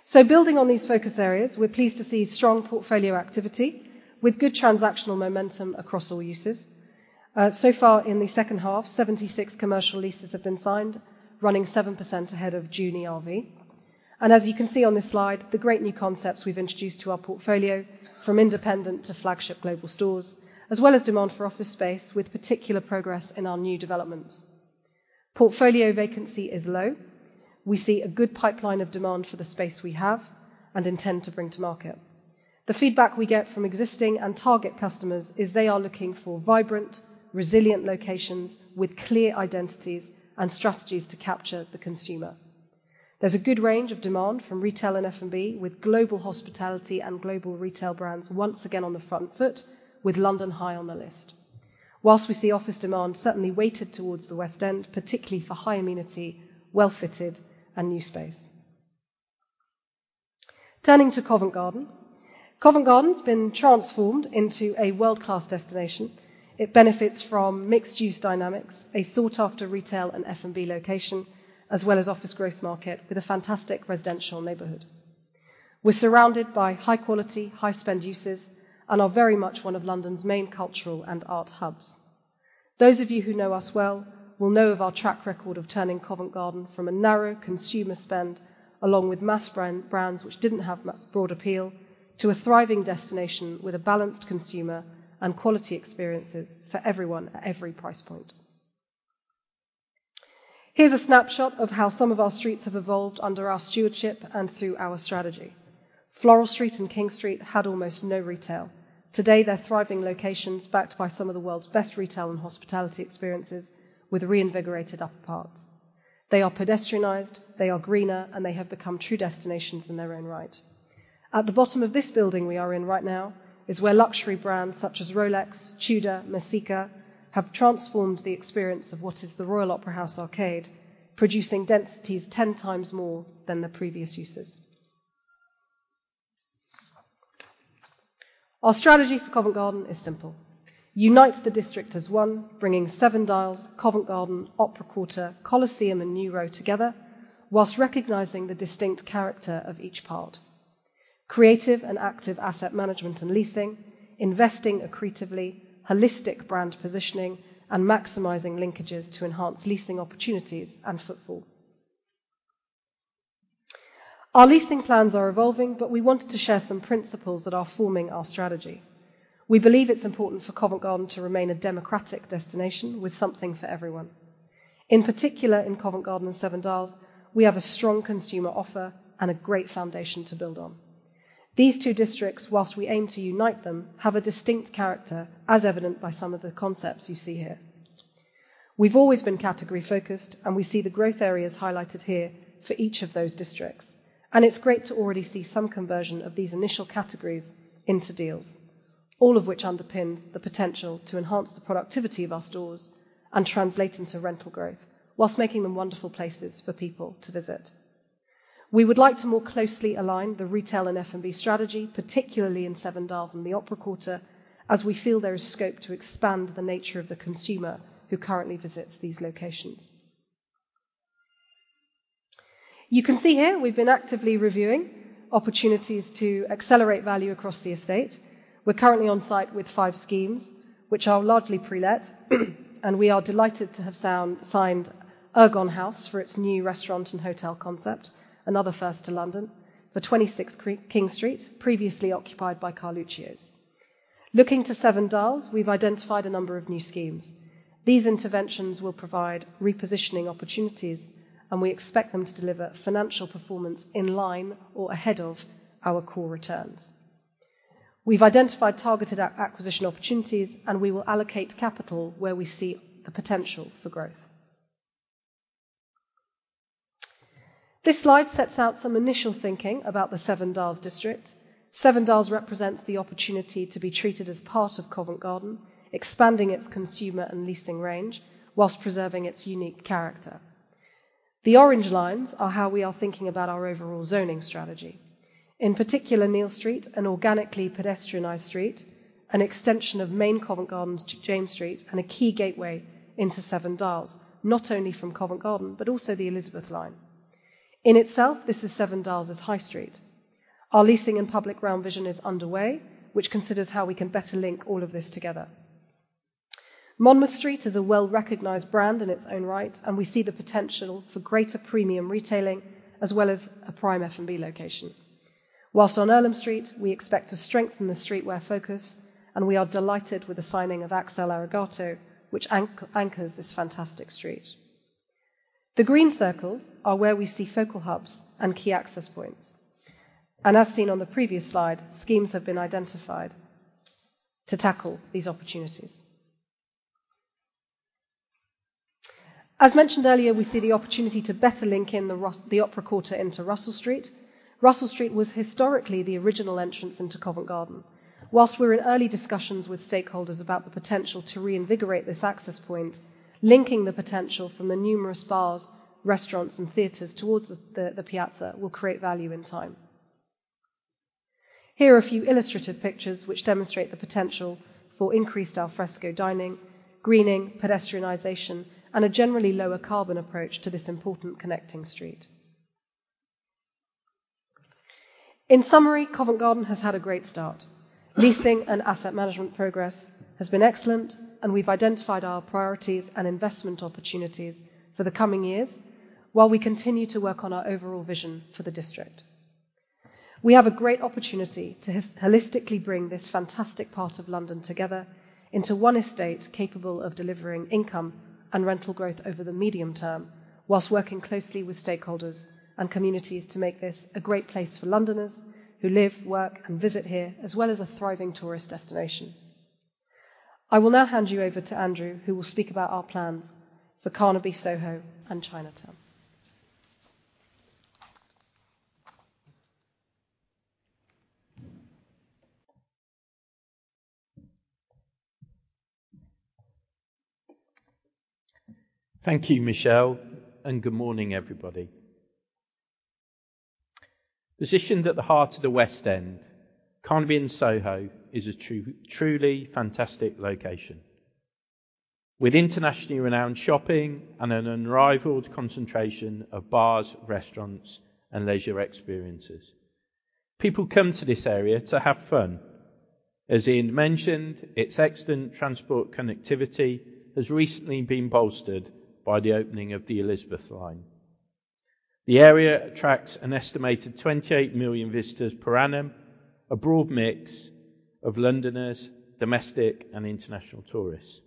So building on these focus areas, we're pleased to see strong portfolio activity with good transactional momentum across all uses. So far in the second half, 76 commercial leases have been signed, running 7% ahead of June RV. As you can see on this slide, the great new concepts we've introduced to our portfolio, from independent to flagship global stores, as well as demand for office space with particular progress in our new developments. Portfolio vacancy is low. We see a good pipeline of demand for the space we have and intend to bring to market. The feedback we get from existing and target customers is they are looking for vibrant, resilient locations with clear identities and strategies to capture the consumer. There's a good range of demand from retail and F&B, with global hospitality and global retail brands once again on the front foot, with London high on the list. While we see office demand certainly weighted towards the West End, particularly for high amenity, well-fitted, and new space. Turning to Covent Garden. Covent Garden's been transformed into a world-class destination. It benefits from mixed-use dynamics, a sought-after retail and F&B location, as well as office growth market with a fantastic residential neighborhood. We're surrounded by high-quality, high-spend uses and are very much one of London's main cultural and art hubs. Those of you who know us well will know of our track record of turning Covent Garden from a narrow consumer spend, along with mass brands which didn't have broad appeal, to a thriving destination with a balanced consumer and quality experiences for everyone at every price point. Here's a snapshot of how some of our streets have evolved under our stewardship and through our strategy. Floral Street and King Street had almost no retail. Today, they're thriving locations, backed by some of the world's best retail and hospitality experiences, with reinvigorated upper parts. They are pedestrianized, they are greener, and they have become true destinations in their own right. At the bottom of this building we are in right now, is where luxury brands such as Rolex, Tudor, Messika, have transformed the experience of what is the Royal Opera House Arcade, producing densities 10 times more than the previous uses. Our strategy for Covent Garden is simple: unite the district as one, bringing Seven Dials, Covent Garden, Opera Quarter, Coliseum, and New Row together, while recognizing the distinct character of each part. Creative and active asset management and leasing, investing accretively, holistic brand positioning, and maximizing linkages to enhance leasing opportunities and footfall. Our leasing plans are evolving, but we wanted to share some principles that are forming our strategy. We believe it's important for Covent Garden to remain a democratic destination with something for everyone. In particular, in Covent Garden and Seven Dials, we have a strong consumer offer and a great foundation to build on. These two districts, whilst we aim to unite them, have a distinct character, as evident by some of the concepts you see here. We've always been category-focused, and we see the growth areas highlighted here for each of those districts, and it's great to already see some conversion of these initial categories into deals, all of which underpins the potential to enhance the productivity of our stores and translate into rental growth, whilst making them wonderful places for people to visit. We would like to more closely align the retail and F&B strategy, particularly in Seven Dials and the Opera Quarter, as we feel there is scope to expand the nature of the consumer who currently visits these locations. You can see here, we've been actively reviewing opportunities to accelerate value across the estate. We're currently on site with five schemes, which are largely pre-let, and we are delighted to have signed Ergon House for its new restaurant and hotel concept, another first to London, for 26 King Street, previously occupied by Carluccio's. Looking to Seven Dials, we've identified a number of new schemes. These interventions will provide repositioning opportunities, and we expect them to deliver financial performance in line or ahead of our core returns. We've identified targeted acquisition opportunities, and we will allocate capital where we see the potential for growth. This slide sets out some initial thinking about the Seven Dials district. Seven Dials represents the opportunity to be treated as part of Covent Garden, expanding its consumer and leasing range while preserving its unique character. The orange lines are how we are thinking about our overall zoning strategy. In particular, Neal Street, an organically pedestrianized street, an extension of main Covent Garden's James Street, and a key gateway into Seven Dials, not only from Covent Garden, but also the Elizabeth line. In itself, this is Seven Dials' High Street. Our leasing and public realm vision is underway, which considers how we can better link all of this together. Monmouth Street is a well-recognized brand in its own right, and we see the potential for greater premium retailing, as well as a prime F&B location. While on Earlham Street, we expect to strengthen the streetwear focus, and we are delighted with the signing of Axel Arigato, which anchors this fantastic street. The green circles are where we see focal hubs and key access points, and as seen on the previous slide, schemes have been identified to tackle these opportunities. As mentioned earlier, we see the opportunity to better link in the Opera Quarter into Russell Street. Russell Street was historically the original entrance into Covent Garden. While we're in early discussions with stakeholders about the potential to reinvigorate this access point, linking the potential from the numerous bars, restaurants, and theaters towards the Piazza will create value in time. Here are a few illustrative pictures which demonstrate the potential for increased al fresco dining, greening, pedestrianization, and a generally lower carbon approach to this important connecting street. In summary, Covent Garden has had a great start. Leasing and asset management progress has been excellent, and we've identified our priorities and investment opportunities for the coming years, while we continue to work on our overall vision for the district. We have a great opportunity to holistically bring this fantastic part of London together into one estate, capable of delivering income and rental growth over the medium term, whilst working closely with stakeholders and communities to make this a great place for Londoners who live, work, and visit here, as well as a thriving tourist destination. I will now hand you over to Andrew, who will speak about our plans for Carnaby, Soho, and Chinatown. Thank you, Michelle, and good morning, everybody. Positioned at the heart of the West End, Carnaby and Soho is a true, truly fantastic location. With internationally renowned shopping and an unrivaled concentration of bars, restaurants, and leisure experiences, people come to this area to have fun. As Ian mentioned, its excellent transport connectivity has recently been bolstered by the opening of the Elizabeth line. The area attracts an estimated 28 million visitors per annum, a broad mix of Londoners, domestic, and international tourists.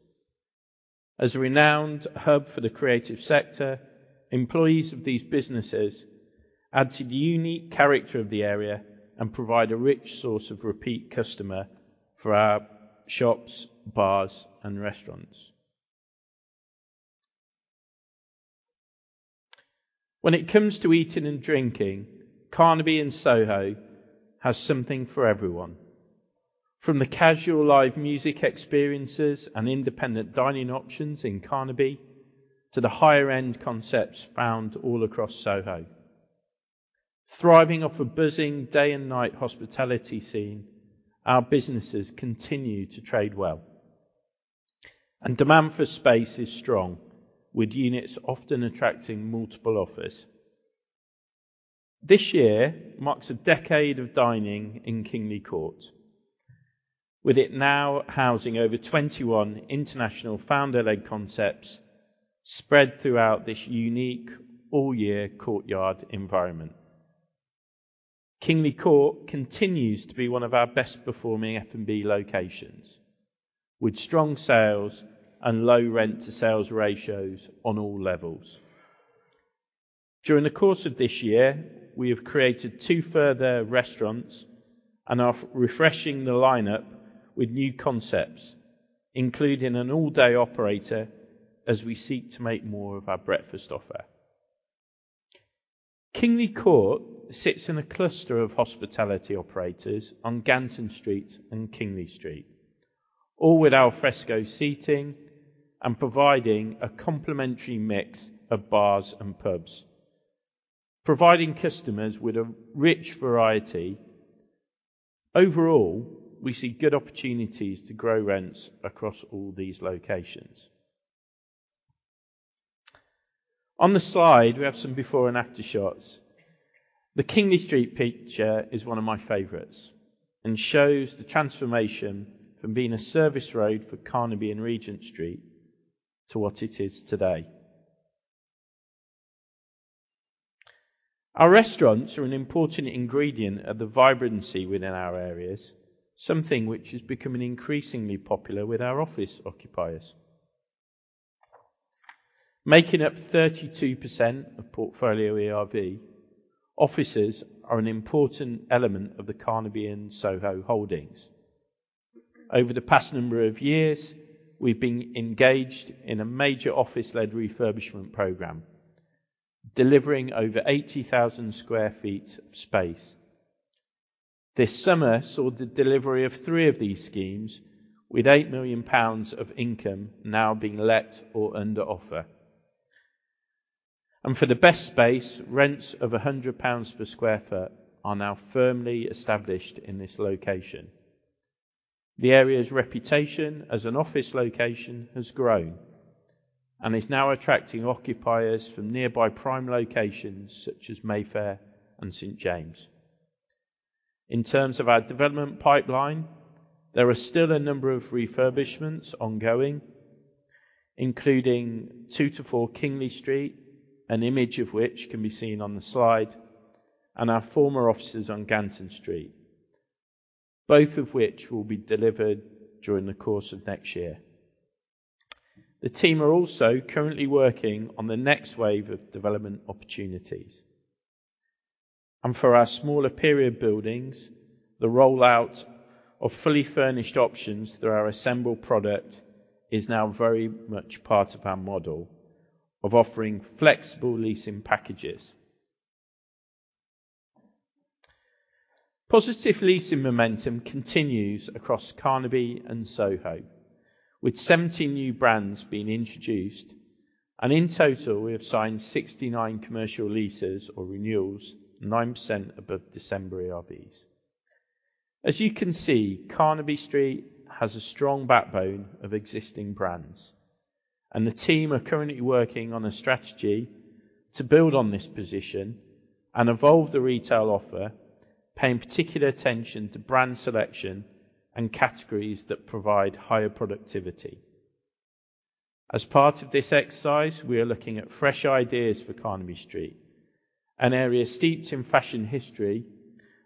As a renowned hub for the creative sector, employees of these businesses add to the unique character of the area and provide a rich source of repeat customer for our shops, bars, and restaurants. When it comes to eating and drinking, Carnaby and Soho has something for everyone. From the casual live music experiences and independent dining options in Carnaby, to the higher-end concepts found all across Soho. Thriving off a buzzing day and night hospitality scene, our businesses continue to trade well, and demand for space is strong, with units often attracting multiple offers. This year marks a decade of dining in Kingly Court, with it now housing over 21 international founder-led concepts spread throughout this unique all-year courtyard environment. Kingly Court continues to be one of our best-performing F&B locations, with strong sales and low rent-to-sales ratios on all levels. During the course of this year, we have created two further restaurants and are refreshing the lineup with new concepts, including an all-day operator, as we seek to make more of our breakfast offer. Kingly Court sits in a cluster of hospitality operators on Ganton Street and Kingly Street, all with al fresco seating and providing a complimentary mix of bars and pubs, providing customers with a rich variety. Overall, we see good opportunities to grow rents across all these locations. On the slide, we have some before and after shots. The Kingly Street picture is one of my favorites and shows the transformation from being a service road for Carnaby and Regent Street to what it is today. Our restaurants are an important ingredient of the vibrancy within our areas, something which is becoming increasingly popular with our office occupiers. Making up 32% of portfolio ERV, offices are an important element of the Carnaby and Soho holdings. Over the past number of years, we've been engaged in a major office-led refurbishment program, delivering over 80,000 sq ft of space. This summer saw the delivery of three of these schemes, with 8 million pounds of income now being let or under offer. For the best space, rents of 100 pounds per sq ft are now firmly established in this location. The area's reputation as an office location has grown and is now attracting occupiers from nearby prime locations, such as Mayfair and St. James's. In terms of our development pipeline, there are still a number of refurbishments ongoing, including two-four Kingly Street, an image of which can be seen on the slide, and our former offices on Ganton Street, both of which will be delivered during the course of next year. The team are also currently working on the next wave of development opportunities. And for our smaller period buildings, the rollout of fully furnished options through our Assemble product is now very much part of our model of offering flexible leasing packages. Positive leasing momentum continues across Carnaby and Soho, with 70 new brands being introduced, and in total, we have signed 69 commercial leases or renewals, 9% above December ERVs. As you can see, Carnaby Street has a strong backbone of existing brands, and the team are currently working on a strategy to build on this position and evolve the retail offer, paying particular attention to brand selection and categories that provide higher productivity. As part of this exercise, we are looking at fresh ideas for Carnaby Street, an area steeped in fashion history,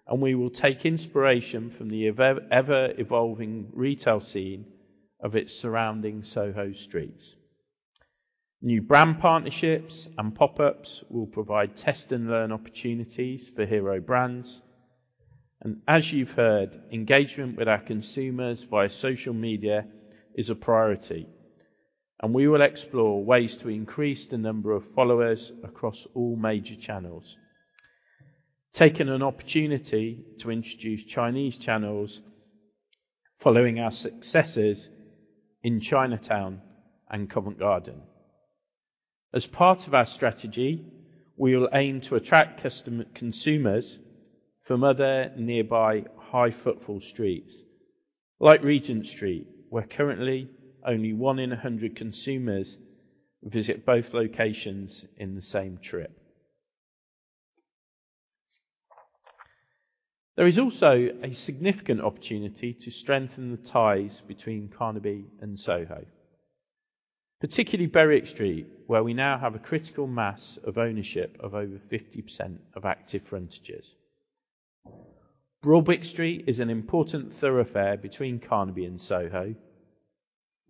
and we will take inspiration from the ever-evolving retail scene of its surrounding Soho streets. New brand partnerships and pop-ups will provide test-and-learn opportunities for hero brands. As you've heard, engagement with our consumers via social media is a priority, and we will explore ways to increase the number of followers across all major channels. Taken an opportunity to introduce Chinese channels following our successes in Chinatown and Covent Garden. As part of our strategy, we will aim to attract customer- consumers from other nearby high-footfall streets, like Regent Street, where currently only one in a hundred consumers visit both locations in the same trip. There is also a significant opportunity to strengthen the ties between Carnaby and Soho, particularly Berwick Street, where we now have a critical mass of ownership of over 50% of active frontages. Broadwick Street is an important thoroughfare between Carnaby and Soho,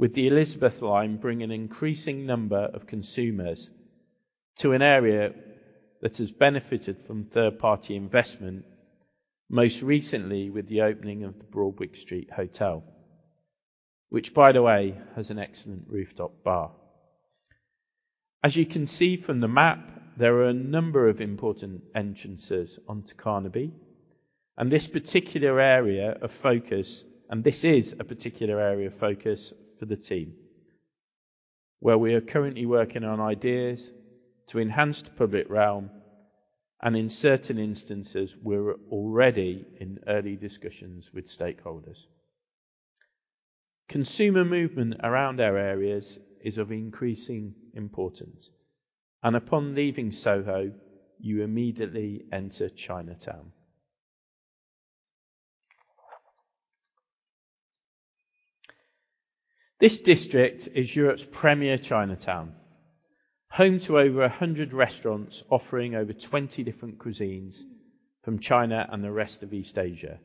with the Elizabeth line bringing an increasing number of consumers to an area that has benefited from third-party investment, most recently with the opening of the Broadwick Street Hotel, which, by the way, has an excellent rooftop bar. As you can see from the map, there are a number of important entrances onto Carnaby, and this particular area of focus, and this is a particular area of focus for the team, where we are currently working on ideas to enhance the public realm, and in certain instances, we're already in early discussions with stakeholders. Consumer movement around our areas is of increasing importance, and upon leaving Soho, you immediately enter Chinatown. This district is Europe's premier Chinatown, home to over 100 restaurants offering over 20 different cuisines from China and the rest of East Asia.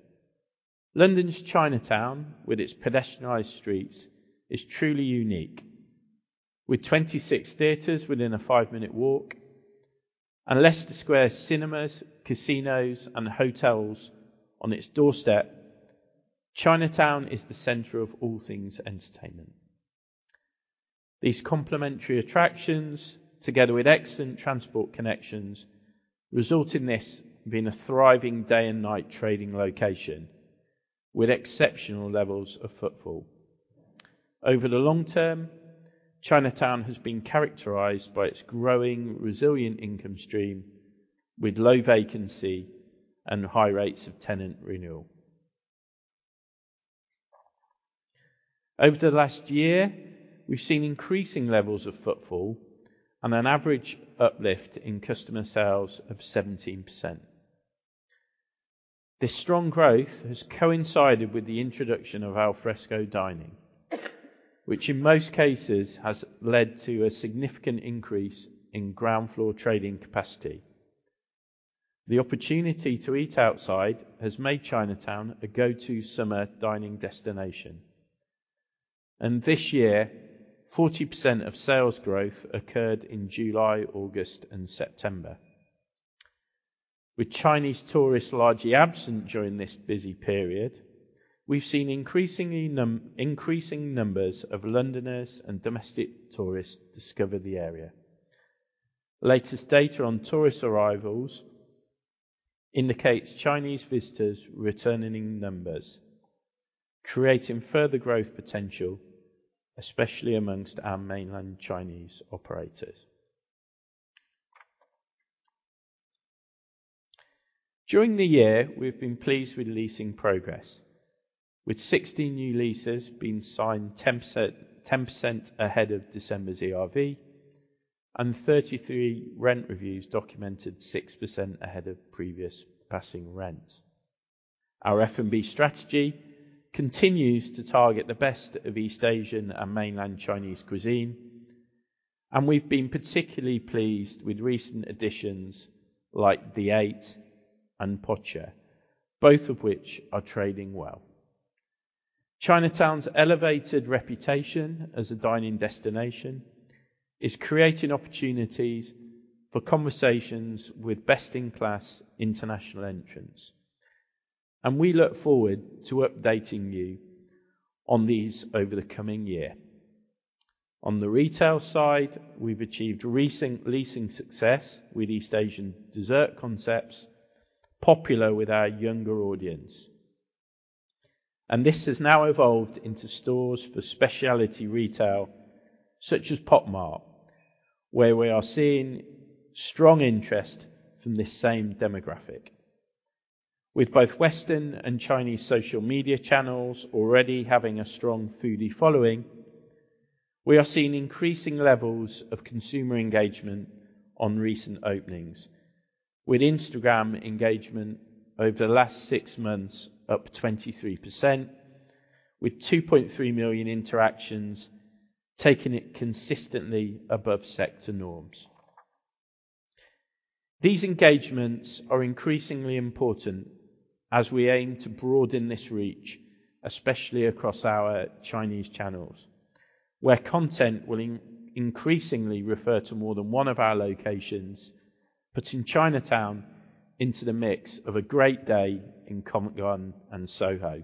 London's Chinatown, with its pedestrianized streets, is truly unique. With 26 theaters within a five-minute walk and Leicester Square cinemas, casinos, and hotels on its doorstep, Chinatown is the center of all things entertainment. These complementary attractions, together with excellent transport connections, result in this being a thriving day and night trading location with exceptional levels of footfall. Over the long term, Chinatown has been characterized by its growing, resilient income stream, with low vacancy and high rates of tenant renewal. Over the last year, we've seen increasing levels of footfall and an average uplift in customer sales of 17%. This strong growth has coincided with the introduction of al fresco dining, which in most cases has led to a significant increase in ground floor trading capacity. The opportunity to eat outside has made Chinatown a go-to summer dining destination, and this year, 40% of sales growth occurred in July, August, and September. With Chinese tourists largely absent during this busy period, we've seen increasing numbers of Londoners and domestic tourists discover the area. Latest data on tourist arrivals indicates Chinese visitors returning in numbers, creating further growth potential, especially amongst our mainland Chinese operators. During the year, we've been pleased with leasing progress, with 16 new leases being signed 10%, 10% ahead of December's ERV and 33 rent reviews documented 6% ahead of previous passing rent. Our F&B strategy continues to target the best of East Asian and mainland Chinese cuisine, and we've been particularly pleased with recent additions like The Eight and Pocha, both of which are trading well. Chinatown's elevated reputation as a dining destination is creating opportunities for conversations with best-in-class international entrants, and we look forward to updating you on these over the coming year. On the retail side, we've achieved leasing, leasing success with East Asian dessert concepts, popular with our younger audience. This has now evolved into stores for specialty retail, such as Pop Mart, where we are seeing strong interest from this same demographic. With both Western and Chinese social media channels already having a strong foodie following, we are seeing increasing levels of consumer engagement on recent openings, with Instagram engagement over the last six months up 23%, with 2.3 million interactions, taking it consistently above sector norms. These engagements are increasingly important as we aim to broaden this reach, especially across our Chinese channels, where content will increasingly refer to more than one of our locations, putting Chinatown into the mix of a great day in Covent Garden and Soho,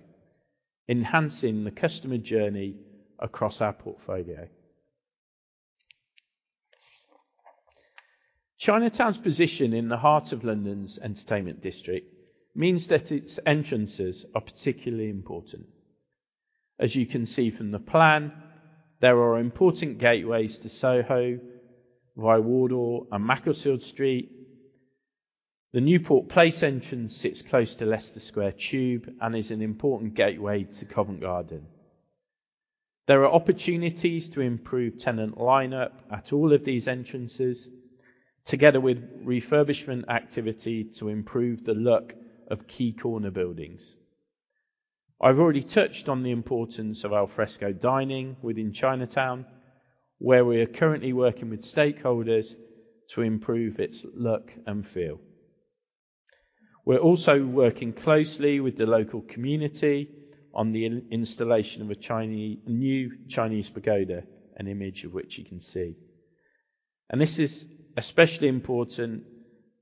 enhancing the customer journey across our portfolio. Chinatown's position in the heart of London's entertainment district means that its entrances are particularly important. As you can see from the plan, there are important gateways to Soho, via Wardour Street and Macclesfield Street. The Newport Place entrance sits close to Leicester Square Tube and is an important gateway to Covent Garden. There are opportunities to improve tenant lineup at all of these entrances, together with refurbishment activity to improve the look of key corner buildings. I've already touched on the importance of al fresco dining within Chinatown, where we are currently working with stakeholders to improve its look and feel. We're also working closely with the local community on the installation of a new Chinese pagoda, an image of which you can see. This is especially important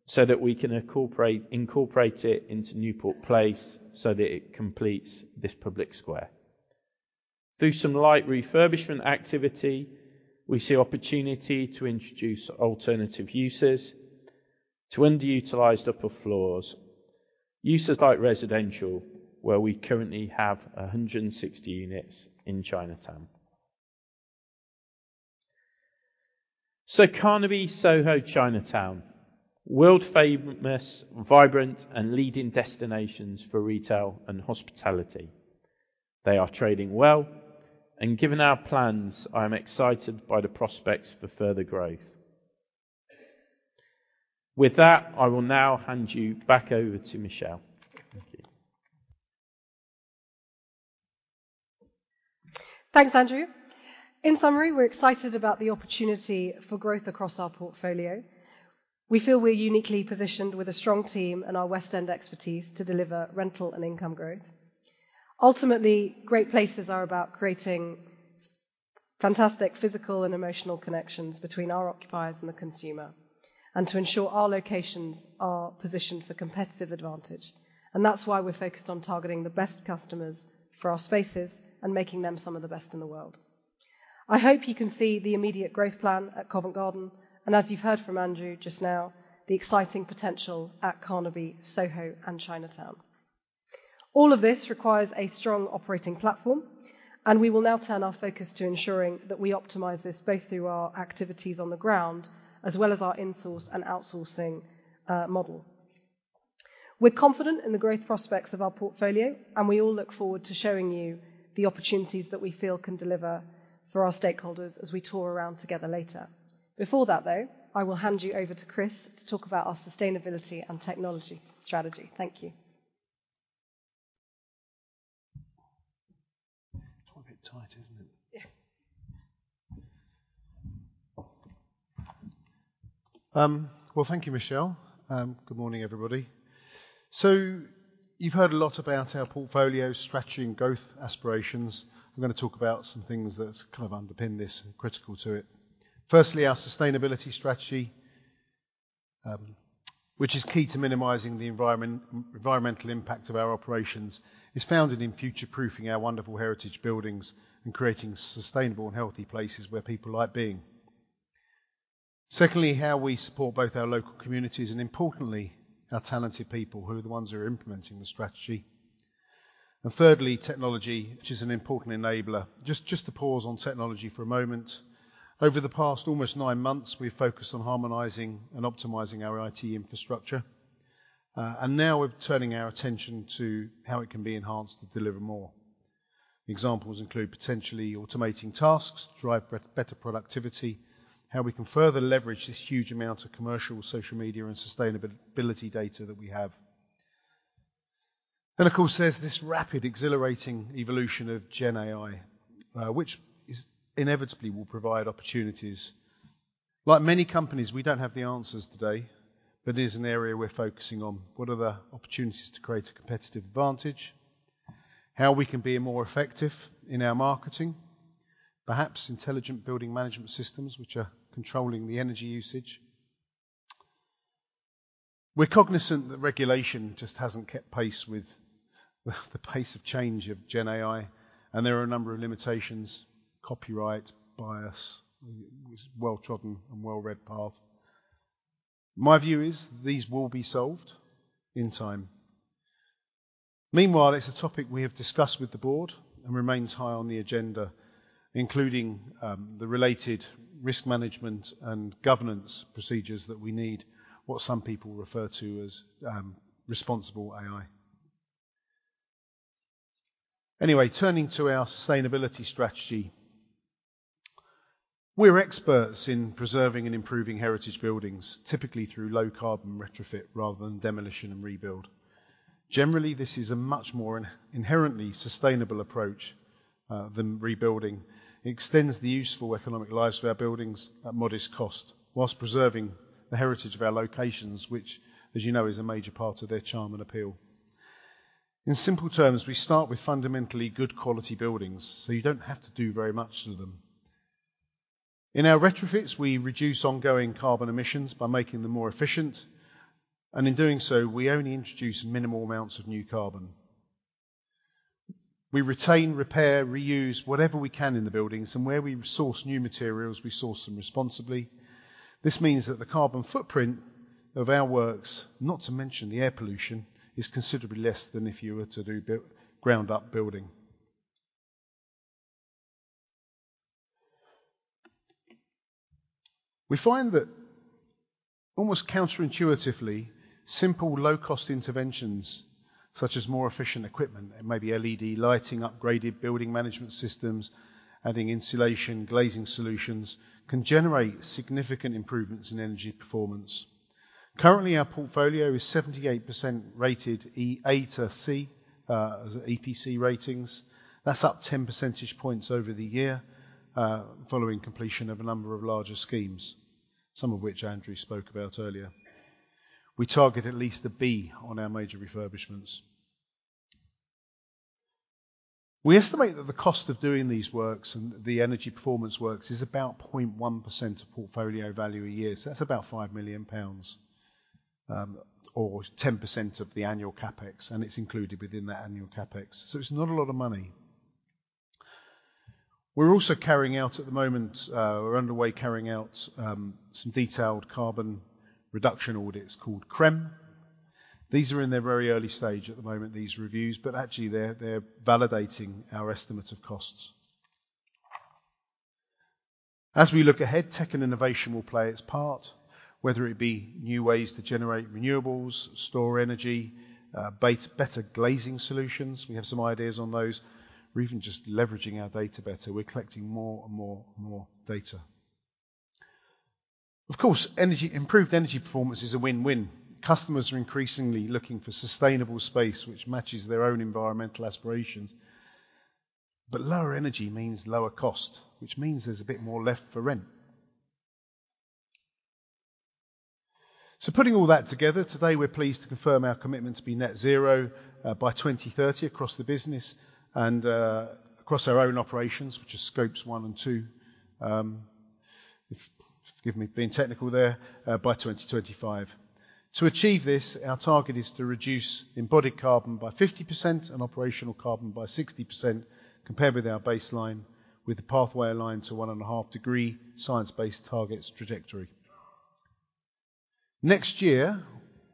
so that we can incorporate, incorporate it into Newport Place, so that it completes this public square. Through some light refurbishment activity, we see opportunity to introduce alternative uses to underutilized upper floors, uses like residential, where we currently have 160 units in Chinatown. Carnaby, Soho, Chinatown, world-famous, vibrant, and leading destinations for retail and hospitality. They are trading well, and given our plans, I am excited by the prospects for further growth. With that, I will now hand you back over to Michelle. Thank you. Thanks, Andrew. In summary, we're excited about the opportunity for growth across our portfolio. We feel we're uniquely positioned with a strong team and our West End expertise to deliver rental and income growth. Ultimately, great places are about creating fantastic physical and emotional connections between our occupiers and the consumer, and to ensure our locations are positioned for competitive advantage. And that's why we're focused on targeting the best customers for our spaces and making them some of the best in the world. I hope you can see the immediate growth plan at Covent Garden, and as you've heard from Andrew just now, the exciting potential at Carnaby, Soho, and Chinatown. All of this requires a strong operating platform, and we will now turn our focus to ensuring that we optimize this, both through our activities on the ground as well as our in-source and outsourcing model. We're confident in the growth prospects of our portfolio, and we all look forward to showing you the opportunities that we feel can deliver for our stakeholders as we tour around together later. Before that, though, I will hand you over to Chris to talk about our sustainability and technology strategy. Thank you. Well, thank you, Michelle. Good morning, everybody. So you've heard a lot about our portfolio strategy and growth aspirations. I'm gonna talk about some things that kind of underpin this and critical to it. Firstly, our sustainability strategy, which is key to minimizing environmental impact of our operations, is founded in future-proofing our wonderful heritage buildings and creating sustainable and healthy places where people like being. Secondly, how we support both our local communities and, importantly, our talented people, who are the ones who are implementing the strategy. And thirdly, technology, which is an important enabler. Just to pause on technology for a moment. Over the past almost nine months, we've focused on harmonizing and optimizing our IT infrastructure, and now we're turning our attention to how it can be enhanced to deliver more. Examples include potentially automating tasks to drive better productivity, how we can further leverage this huge amount of commercial, social media, and sustainability data that we have. Then, of course, there's this rapid, exhilarating evolution of GenAI, which is inevitably will provide opportunities. Like many companies, we don't have the answers today, but it is an area we're focusing on. What are the opportunities to create a competitive advantage? How we can be more effective in our marketing. Perhaps intelligent building management systems, which are controlling the energy usage. We're cognizant that regulation just hasn't kept pace with the pace of change of GenAI, and there are a number of limitations, copyright, bias, well-trodden and well-read path. My view is these will be solved in time. Meanwhile, it's a topic we have discussed with the board and remains high on the agenda, including the related risk management and governance procedures that we need. What some people refer to as responsible AI. Anyway, turning to our sustainability strategy. We're experts in preserving and improving heritage buildings, typically through low-carbon retrofit rather than demolition and rebuild. Generally, this is a much more inherently sustainable approach than rebuilding. It extends the useful economic lives of our buildings at modest cost, while preserving the heritage of our locations, which, as you know, is a major part of their charm and appeal. In simple terms, we start with fundamentally good quality buildings, so you don't have to do very much to them. In our retrofits, we reduce ongoing carbon emissions by making them more efficient, and in doing so, we only introduce minimal amounts of new carbon. We retain, repair, reuse whatever we can in the buildings, and where we source new materials, we source them responsibly. This means that the carbon footprint of our works, not to mention the air pollution, is considerably less than if you were to do a ground-up building. We find that almost counterintuitively, simple, low-cost interventions, such as more efficient equipment and maybe LED lighting, upgraded building management systems, adding insulation, glazing solutions, can generate significant improvements in energy performance. Currently, our portfolio is 78% rated A to C EPC ratings. That's up 10 percentage points over the year, following completion of a number of larger schemes, some of which Andrew spoke about earlier. We target at least a B on our major refurbishments. We estimate that the cost of doing these works and the energy performance works is about 0.1% of portfolio value a year. So that's about 5 million pounds, or 10% of the annual CapEx, and it's included within that annual CapEx. So it's not a lot of money. We're also carrying out at the moment, we're underway carrying out some detailed carbon reduction audits called CRREM. These are in their very early stage at the moment, these reviews, but actually they're validating our estimate of costs. As we look ahead, tech and innovation will play its part, whether it be new ways to generate renewables, store energy or better glazing solutions, we have some ideas on those, or even just leveraging our data better. We're collecting more and more and more data. Of course, improved energy performance is a win-win. Customers are increasingly looking for sustainable space which matches their own environmental aspirations. But lower energy means lower cost, which means there's a bit more left for rent. So putting all that together, today, we're pleased to confirm our commitment to be net zero by 2030 across the business and across our own operations, which are Scopes 1 and 2. If, forgive me, being technical there, by 2025. To achieve this, our target is to reduce embodied carbon by 50% and operational carbon by 60%, compared with our baseline, with the pathway aligned to 1.5-degree Science-Based Targets trajectory. Next year,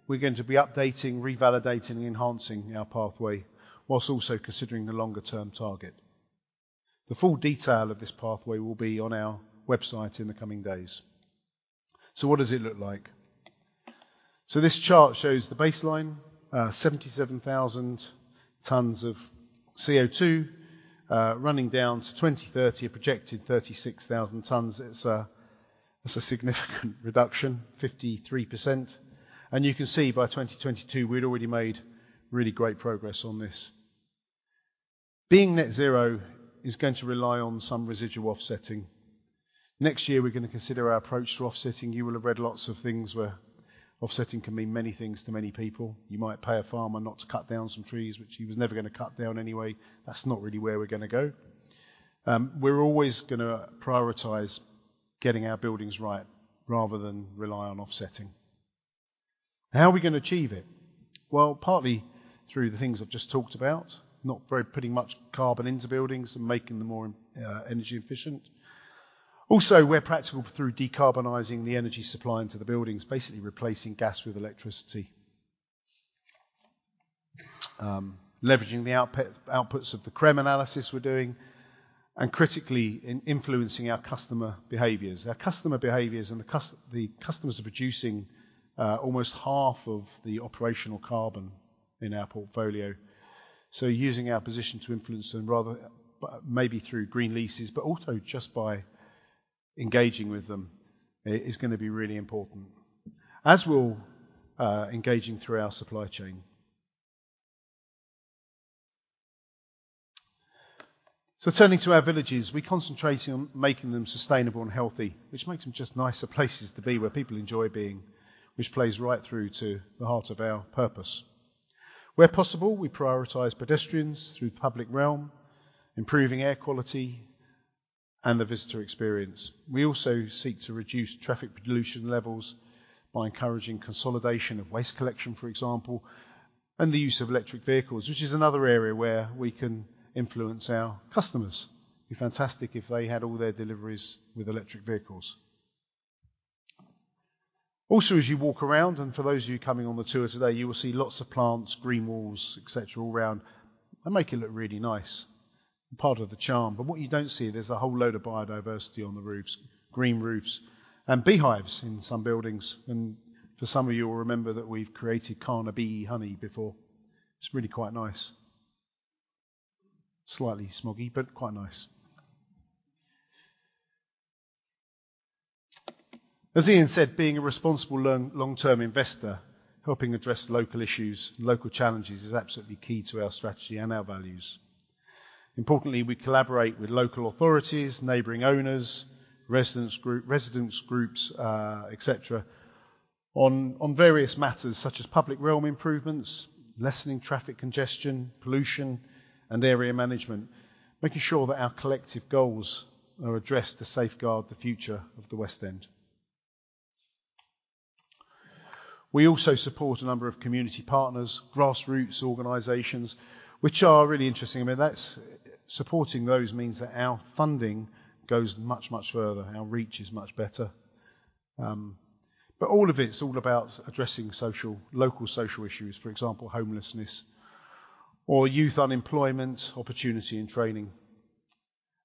we're going to be updating, revalidating, and enhancing our pathway, while also considering the longer-term target. The full detail of this pathway will be on our website in the coming days. So what does it look like? So this chart shows the baseline, 77,000 tons of CO2, running down to 2030, a projected 36,000 tons. It's a significant reduction, 53%. And you can see by 2022, we'd already made really great progress on this. Being net zero is going to rely on some residual offsetting. Next year, we're gonna consider our approach to offsetting. You will have read lots of things where offsetting can mean many things to many people. You might pay a farmer not to cut down some trees, which he was never gonna cut down anyway. That's not really where we're gonna go. We're always gonna prioritize getting our buildings right rather than rely on offsetting. How are we gonna achieve it? Well, partly through the things I've just talked about, not putting very much carbon into buildings and making them more energy efficient. Also, where practical, through decarbonizing the energy supply into the buildings, basically replacing gas with electricity. Leveraging the outputs of the CRREM analysis we're doing, and critically, in influencing our customer behaviors. Our customer behaviors and the customers are producing almost half of the operational carbon in our portfolio, so using our position to influence them, rather, maybe through green leases, but also just by engaging with them, is gonna be really important, as we're engaging through our supply chain. So turning to our villages, we're concentrating on making them sustainable and healthy, which makes them just nicer places to be, where people enjoy being, which plays right through to the heart of our purpose. Where possible, we prioritize pedestrians through public realm, improving air quality and the visitor experience. We also seek to reduce traffic pollution levels by encouraging consolidation of waste collection, for example, and the use of electric vehicles, which is another area where we can influence our customers. It'd be fantastic if they had all their deliveries with electric vehicles. Also, as you walk around, and for those of you coming on the tour today, you will see lots of plants, green walls, et cetera, all around, and make it look really nice. Part of the charm. But what you don't see, there's a whole load of biodiversity on the roofs, green roofs and beehives in some buildings. And for some of you will remember that we've created Carnaby Honey before. It's really quite nice. Slightly smoggy, but quite nice. As Ian said, being a responsible long, long-term investor, helping address local issues, local challenges, is absolutely key to our strategy and our values. Importantly, we collaborate with local authorities, neighboring owners, residence group, residents groups, et cetera, on, on various matters, such as public realm improvements, lessening traffic congestion, pollution, and area management, making sure that our collective goals are addressed to safeguard the future of the West End. We also support a number of community partners, grassroots organizations, which are really interesting. I mean, that's, supporting those means that our funding goes much, much further. Our reach is much better. But all of it's all about addressing social, local social issues, for example, homelessness or youth unemployment, opportunity and training.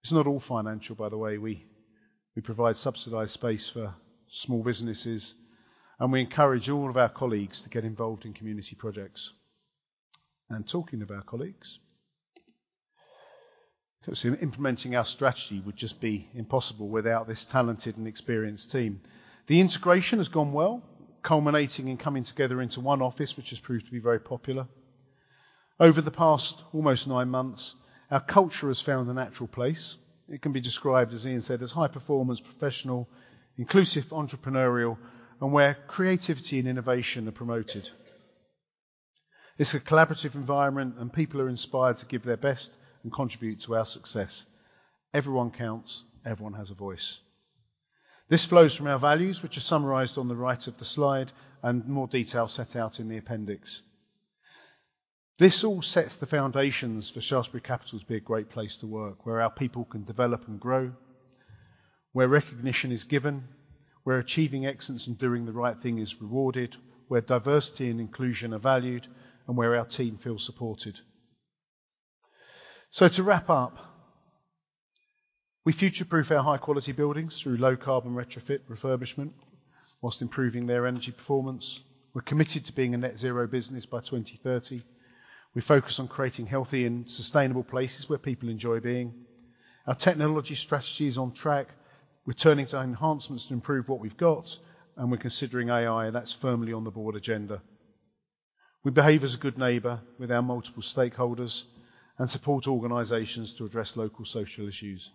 It's not all financial, by the way. We provide subsidized space for small businesses, and we encourage all of our colleagues to get involved in community projects. Talking about colleagues, 'cause implementing our strategy would just be impossible without this talented and experienced team. The integration has gone well, culminating in coming together into one office, which has proved to be very popular. Over the past almost nine months, our culture has found a natural place. It can be described, as Ian said, as high performance, professional, inclusive, entrepreneurial, and where creativity and innovation are promoted. It's a collaborative environment, and people are inspired to give their best and contribute to our success. Everyone counts, everyone has a voice. This flows from our values, which are summarized on the right of the slide and more detail set out in the appendix. This all sets the foundations for Shaftesbury Capital to be a great place to work, where our people can develop and grow, where recognition is given, where achieving excellence and doing the right thing is rewarded, where diversity and inclusion are valued, and where our team feels supported. So to wrap up, we future-proof our high-quality buildings through low-carbon retrofit refurbishment while improving their energy performance. We're committed to being a net zero business by 2030. We focus on creating healthy and sustainable places where people enjoy being. Our technology strategy is on track. We're turning to enhancements to improve what we've got, and we're considering AI, and that's firmly on the board agenda. We behave as a good neighbor with our multiple stakeholders and support organizations to address local social issues.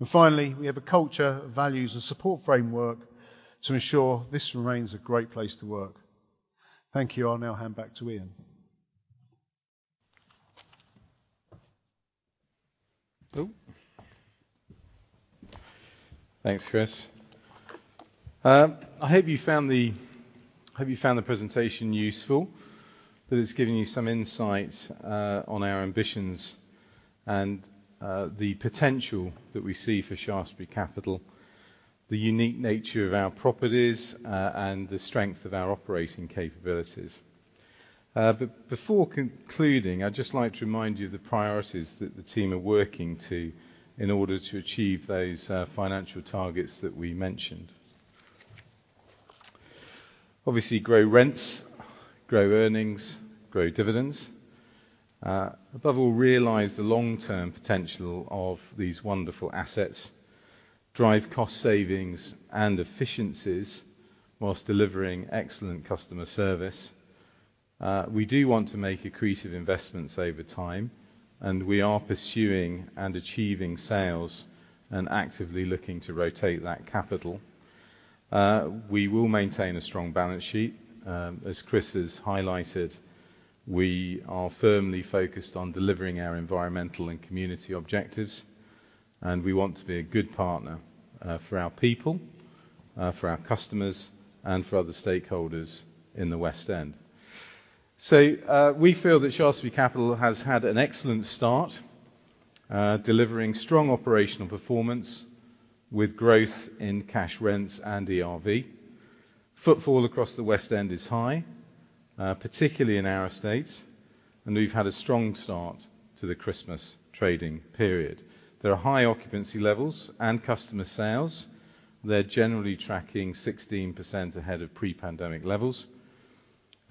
And finally, we have a culture of values and support framework to ensure this remains a great place to work. Thank you. I'll now hand back to Ian. Thanks, Chris. I hope you found the presentation useful, that it's given you some insight on our ambitions and the potential that we see for Shaftesbury Capital, the unique nature of our properties, and the strength of our operating capabilities. But before concluding, I'd just like to remind you of the priorities that the team are working to in order to achieve those financial targets that we mentioned. Obviously, grow rents, grow earnings, grow dividends. Above all, realize the long-term potential of these wonderful assets, drive cost savings and efficiencies whilst delivering excellent customer service. We do want to make accretive investments over time, and we are pursuing and achieving sales and actively looking to rotate that capital. We will maintain a strong balance sheet. As Chris has highlighted, we are firmly focused on delivering our environmental and community objectives, and we want to be a good partner for our people, for our customers, and for other stakeholders in the West End. So, we feel that Shaftesbury Capital has had an excellent start, delivering strong operational performance with growth in cash rents and ERV. Footfall across the West End is high, particularly in our estates, and we've had a strong start to the Christmas trading period. There are high occupancy levels and customer sales. They're generally tracking 16% ahead of pre-pandemic levels.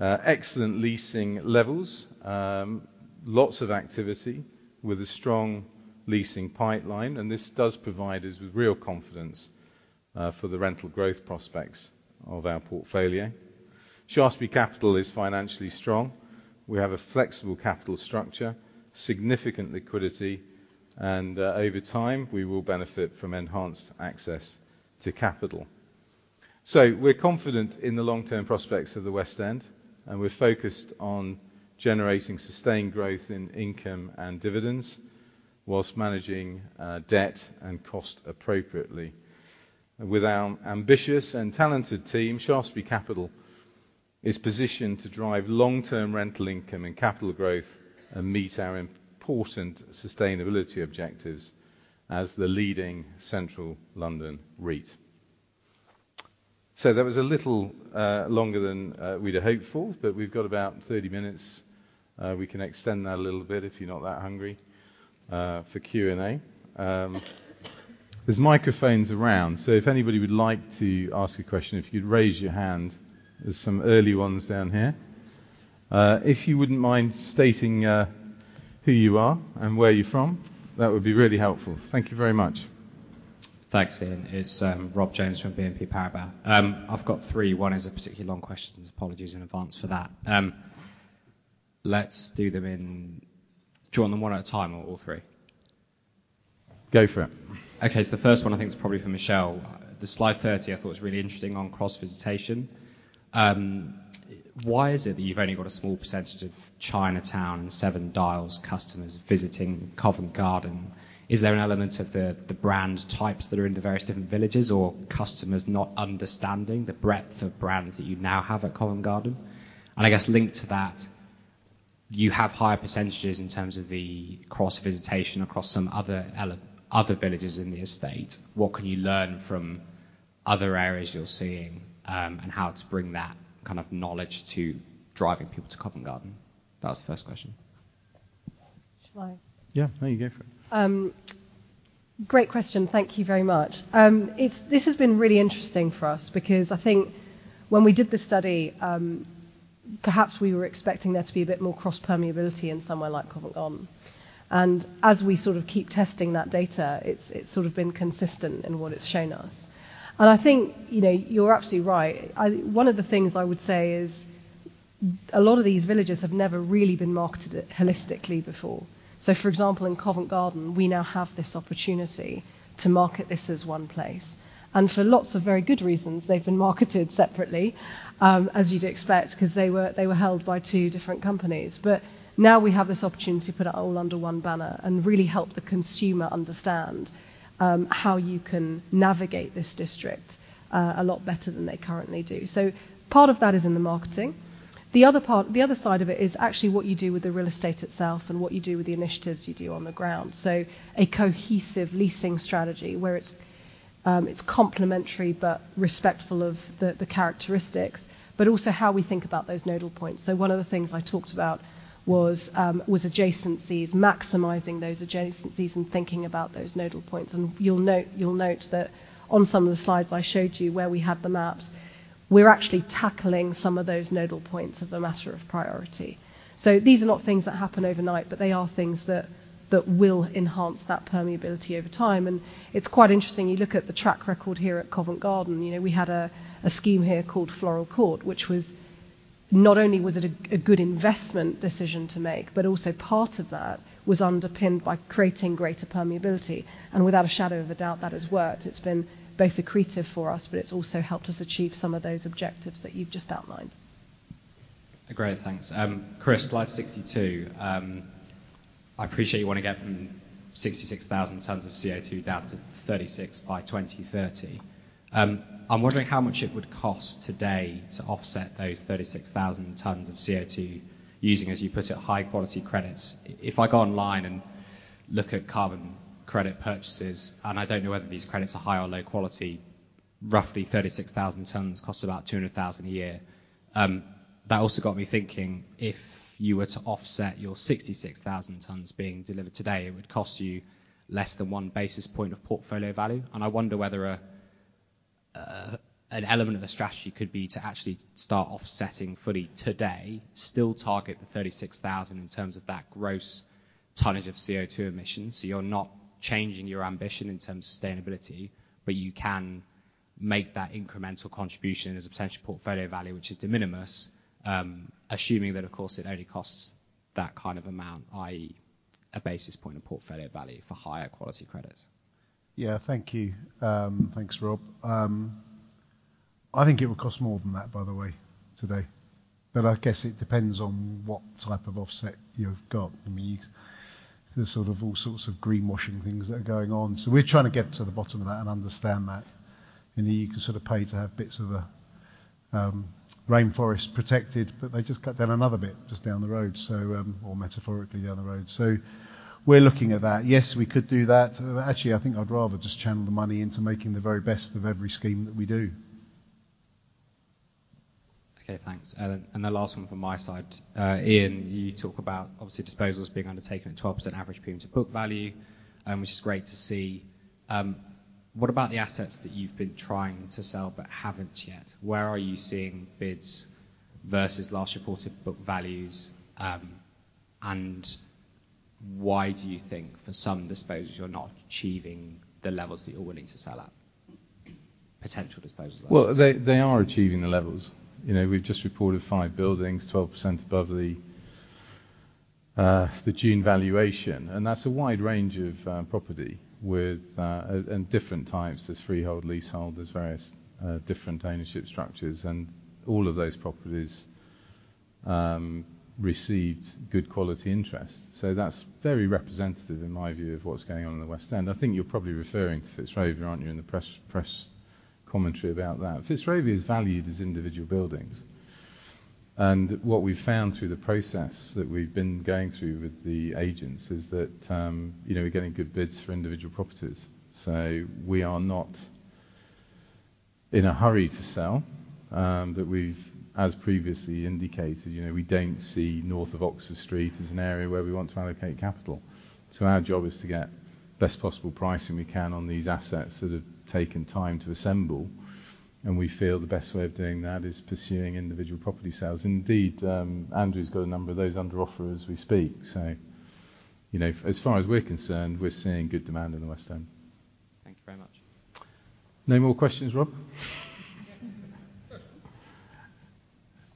Excellent leasing levels, lots of activity with a strong leasing pipeline, and this does provide us with real confidence for the rental growth prospects of our portfolio. Shaftesbury Capital is financially strong. We have a flexible capital structure, significant liquidity, and over time, we will benefit from enhanced access to capital. So we're confident in the long-term prospects of the West End, and we're focused on generating sustained growth in income and dividends while managing debt and cost appropriately. With our ambitious and talented team, Shaftesbury Capital is positioned to drive long-term rental income and capital growth and meet our important sustainability objectives as the leading Central London REIT. So that was a little longer than we'd have hoped for, but we've got about 30 minutes. We can extend that a little bit if you're not that hungry for Q&A. There's microphones around, so if anybody would like to ask a question, if you'd raise your hand. There's some early ones down here. If you wouldn't mind stating who you are and where you're from, that would be really helpful. Thank you very much. Thanks, Ian. It's, Rob Jones from BNP Paribas. I've got three. One is a particularly long question, so apologies in advance for that. Let's do them in. Do you want them one at a time or all three? Go for it. Okay, so the first one I think is probably for Michelle. The slide 30, I thought was really interesting on cross-visitation. Why is it that you've only got a small percentage of Chinatown and Seven Dials customers visiting Covent Garden? Is there an element of the brand types that are in the various different villages or customers not understanding the breadth of brands that you now have at Covent Garden? And I guess linked to that, you have higher percentages in terms of the cross-visitation across some other villages in the estate. What can you learn from other areas you're seeing, and how to bring that kind of knowledge to driving people to Covent Garden? That was the first question. Shall I? Yeah. No, you go for it. Great question. Thank you very much. It's this has been really interesting for us because I think when we did this study, perhaps we were expecting there to be a bit more cross-permeability in somewhere like Covent Garden. And as we sort of keep testing that data, it's, it's sort of been consistent in what it's shown us. And I think, you know, you're absolutely right. One of the things I would say is a lot of these villages have never really been marketed holistically before. So, for example, in Covent Garden, we now have this opportunity to market this as one place. And for lots of very good reasons, they've been marketed separately, as you'd expect, 'cause they were, they were held by two different companies. But now we have this opportunity to put it all under one banner and really help the consumer understand how you can navigate this district a lot better than they currently do. So part of that is in the marketing. The other part. The other side of it is actually what you do with the real estate itself and what you do with the initiatives you do on the ground. So a cohesive leasing strategy where it's it's complementary but respectful of the characteristics, but also how we think about those nodal points. So one of the things I talked about was adjacencies, maximizing those adjacencies and thinking about those nodal points. And you'll note, you'll note that on some of the slides I showed you where we had the maps, we're actually tackling some of those nodal points as a matter of priority. So these are not things that happen overnight, but they are things that, that will enhance that permeability over time. And it's quite interesting, you look at the track record here at Covent Garden, you know, we had a, a scheme here called Floral Court, which was not only was it a, a good investment decision to make, but also part of that was underpinned by creating greater permeability, and without a shadow of a doubt, that has worked. It's been both accretive for us, but it's also helped us achieve some of those objectives that you've just outlined. Great, thanks. Chris, slide 62. I appreciate you wanna get from 66,000 tons of CO2 down to 36,000 by 2030. I'm wondering how much it would cost today to offset those 36,000 tons of CO2 using, as you put it, high-quality credits. If I go online and look at carbon credit purchases, and I don't know whether these credits are high or low quality, roughly 36,000 tons costs about 200,000 a year. That also got me thinking, if you were to offset your 66,000 tons being delivered today, it would cost you less than 1 basis point of portfolio value. And I wonder whether an element of the strategy could be to actually start offsetting fully today, still target the 36,000 in terms of that gross tonnage of CO2 emissions. So you're not changing your ambition in terms of sustainability, but you can make that incremental contribution as a potential portfolio value, which is de minimis, assuming that, of course, it only costs that kind of amount, i.e., a basis point of portfolio value for higher quality credits. Yeah. Thank you. Thanks, Rob. I think it would cost more than that, by the way, today, but I guess it depends on what type of offset you've got. I mean, there's sort of all sorts of greenwashing things that are going on, so we're trying to get to the bottom of that and understand that. You know, you can sort of pay to have bits of a rainforest protected, but they just cut down another bit just down the road, so, or metaphorically down the road. So we're looking at that. Yes, we could do that. Actually, I think I'd rather just channel the money into making the very best of every scheme that we do. Okay, thanks. And the last one from my side. Ian, you talk about, obviously, disposals being undertaken at 12% average premium to book value, which is great to see. What about the assets that you've been trying to sell but haven't yet? Where are you seeing bids versus last reported book values? And why do you think for some disposals you're not achieving the levels that you're willing to sell at, potential disposals, I should say? Well, they are achieving the levels. You know, we've just reported five buildings, 12% above the June valuation, and that's a wide range of property with-- and different types. There's freehold, leasehold, there's various different ownership structures, and all of those properties received good quality interest. So that's very representative, in my view, of what's going on in the West End. I think you're probably referring to Fitzrovia, aren't you, in the press commentary about that? Fitzrovia is valued as individual buildings, and what we've found through the process that we've been going through with the agents is that, you know, we're getting good bids for individual properties. So we are not in a hurry to sell. But we've, as previously indicated, you know, we don't see north of Oxford Street as an area where we want to allocate capital. So our job is to get best possible pricing we can on these assets that have taken time to assemble, and we feel the best way of doing that is pursuing individual property sales. Indeed, Andrew's got a number of those under offer as we speak. So, you know, as far as we're concerned, we're seeing good demand in the West End. Thank you very much. No more questions, Rob?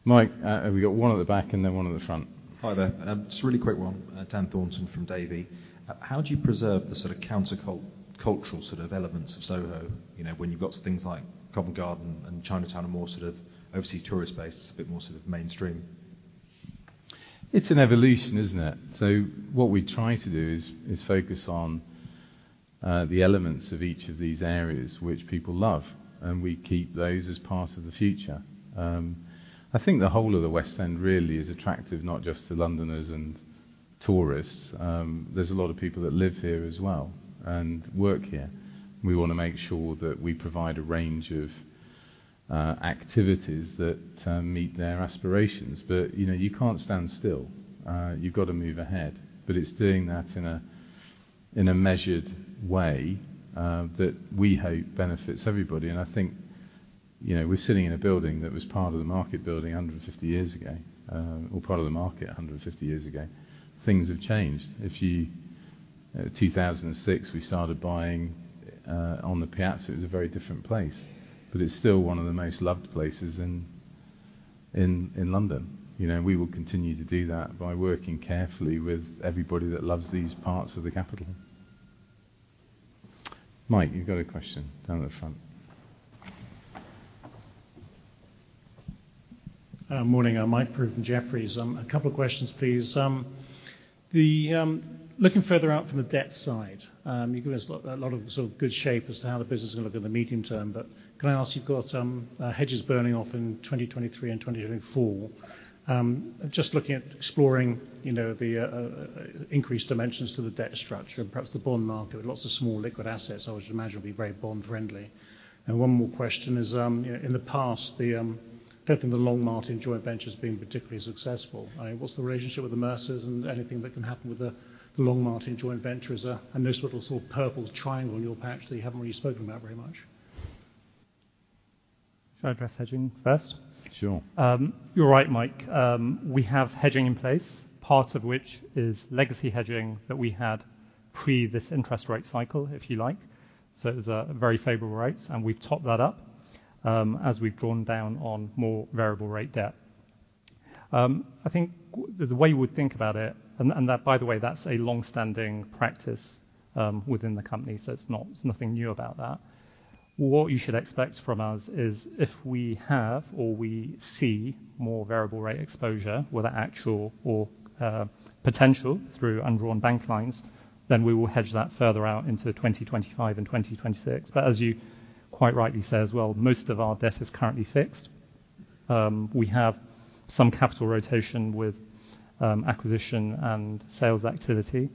Mike, we've got one at the back and then one at the front. Hi there. Just a really quick one. Dan Thornton from Davy. How do you preserve the sort of countercultural sort of elements of Soho? You know, when you've got things like Covent Garden and Chinatown are more sort of overseas tourist-based, it's a bit more sort of mainstream. It's an evolution, isn't it? So what we try to do is focus on the elements of each of these areas which people love, and we keep those as part of the future. I think the whole of the West End really is attractive, not just to Londoners and tourists. There's a lot of people that live here as well and work here. We wanna make sure that we provide a range of activities that meet their aspirations. But, you know, you can't stand still. You've got to move ahead. But it's doing that in a measured way that we hope benefits everybody. And I think, you know, we're sitting in a building that was part of the market building 150 years ago, or part of the market 150 years ago. Things have changed. 2006, we started buying on the Piazza. It was a very different place, but it's still one of the most loved places in London. You know, we will continue to do that by working carefully with everybody that loves these parts of the capital. Mike, you've got a question down the front. Morning. I'm Mike Prew from Jefferies. A couple of questions, please. Looking further out from the debt side, you give us a lot, a lot of sort of good shape as to how the business is gonna look in the medium term, but can I ask, you've got hedges burning off in 2023 and 2024. Just looking at exploring, you know, the increased dimensions to the debt structure and perhaps the bond market with lots of small liquid assets, I would imagine, would be very bond-friendly. And one more question is, you know, in the past, the, I don't think the Longmartin joint venture has been particularly successful. What's the relationship with the Mercers and anything that can happen with the Longmartin joint venture as a nice little sort of purple triangle on your patch that you haven't really spoken about very much? Shall I address hedging first? Sure. You're right, Mike. We have hedging in place, part of which is legacy hedging that we had pre this interest rate cycle, if you like. So it was very favorable rates, and we've topped that up as we've drawn down on more variable rate debt. I think the way you would think about it, and that, by the way, that's a long-standing practice within the company, so it's not, there's nothing new about that. What you should expect from us is if we have or we see more variable rate exposure, whether actual or potential through undrawn bank lines, then we will hedge that further out into 2025 and 2026. But as you quite rightly say as well, most of our debt is currently fixed. We have some capital rotation with acquisition and sales activity.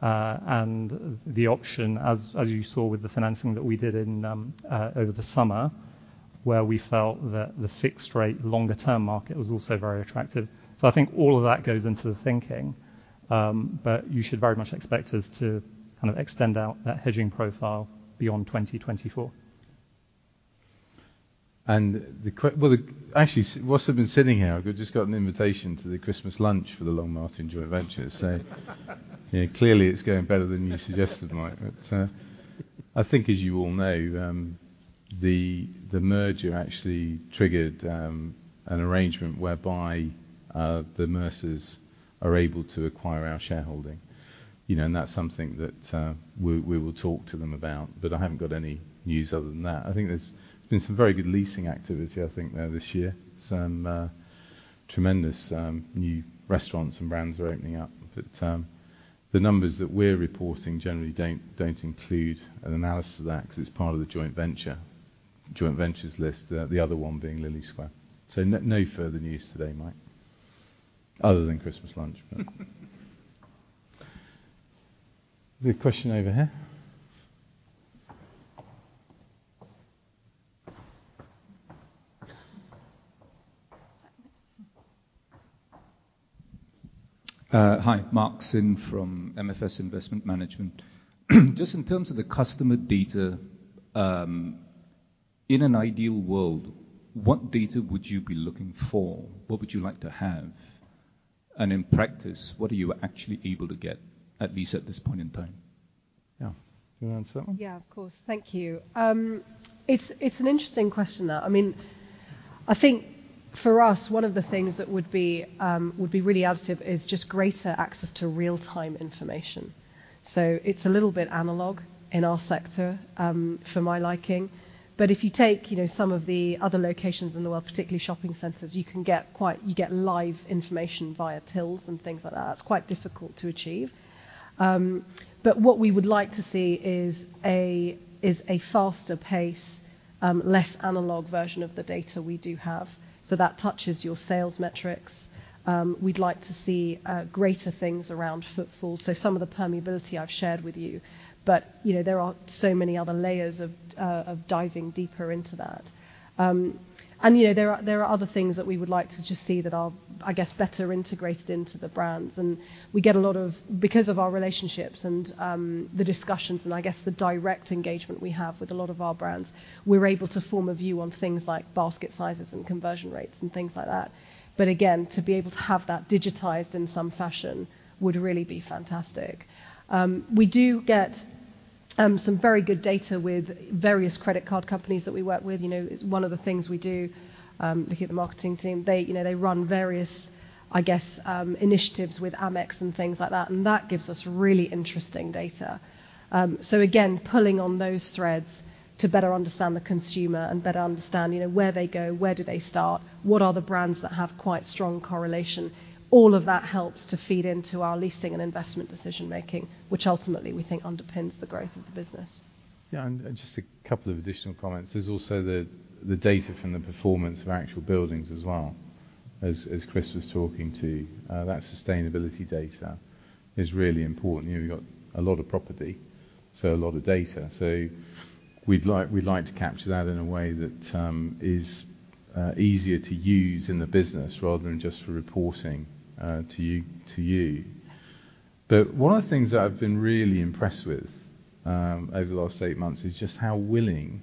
And the option, as you saw with the financing that we did in over the summer, where we felt that the fixed rate, longer-term market was also very attractive. So I think all of that goes into the thinking, but you should very much expect us to kind of extend out that hedging profile beyond 2024. Actually, while I've been sitting here, I've just got an invitation to the Christmas lunch for the Longmartin joint venture. So, clearly, it's going better than you suggested, Mike. But, I think, as you all know, the merger actually triggered an arrangement whereby the Mercers are able to acquire our shareholding. You know, and that's something that we will talk to them about, but I haven't got any news other than that. I think there's been some very good leasing activity, I think, there this year. Some tremendous new restaurants and brands are opening up, but the numbers that we're reporting generally don't include an analysis of that because it's part of the joint venture, joint ventures list, the other one being Lillie Square. No, no further news today, Mike, other than Christmas lunch, but-- There's a question over here. Hi. Mark Syn from MFS Investment Management. Just in terms of the customer data, in an ideal world, what data would you be looking for? What would you like to have? And in practice, what are you actually able to get, at least at this point in time? Yeah. Do you wanna answer that one? Yeah, of course. Thank you. It's, it's an interesting question, that. I mean, I think for us, one of the things that would be, would be really additive is just greater access to real-time information. So it's a little bit analog in our sector, for my liking. But if you take, you know, some of the other locations in the world, particularly shopping centers, you can get quite you get live information via tills and things like that. It's quite difficult to achieve. But what we would like to see is a, is a faster pace, less analog version of the data we do have. So that touches your sales metrics. We'd like to see, greater things around footfall, so some of the permeability I've shared with you. But, you know, there are so many other layers of, of diving deeper into that. And, you know, there are, there are other things that we would like to just see that are, I guess, better integrated into the brands. And we get a lot of-- Because of our relationships and, the discussions and I guess the direct engagement we have with a lot of our brands, we're able to form a view on things like basket sizes and conversion rates and things like that. But again, to be able to have that digitized in some fashion would really be fantastic. We do get some very good data with various credit card companies that we work with. You know, one of the things we do, looking at the marketing team, they, you know, they run various, I guess, initiatives with Amex and things like that, and that gives us really interesting data. So again, pulling on those threads to better understand the consumer and better understand, you know, where they go, where do they start, what are the brands that have quite strong correlation? All of that helps to feed into our leasing and investment decision-making, which ultimately we think underpins the growth of the business. Yeah, just a couple of additional comments. There's also the data from the performance of actual buildings as well. As Chris was talking to, that sustainability data is really important. You know, we've got a lot of property, so a lot of data. So we'd like, we'd like to capture that in a way that is easier to use in the business rather than just for reporting to you. But one of the things that I've been really impressed with over the last eight months is just how willing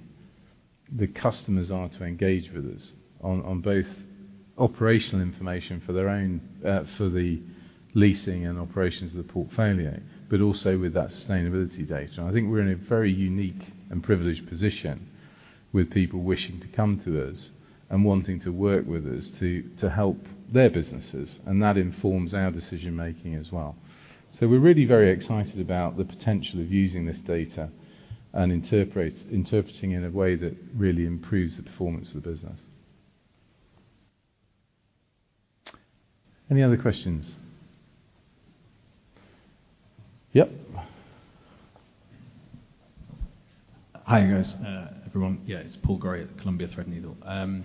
the customers are to engage with us on both operational information for their own for the leasing and operations of the portfolio, but also with that sustainability data. I think we're in a very unique and privileged position with people wishing to come to us and wanting to work with us to help their businesses, and that informs our decision-making as well. So we're really very excited about the potential of using this data and interpreting in a way that really improves the performance of the business. Any other questions? Yep. Hi, guys. Everyone, yeah, it's Paul Gorrie at Columbia Threadneedle.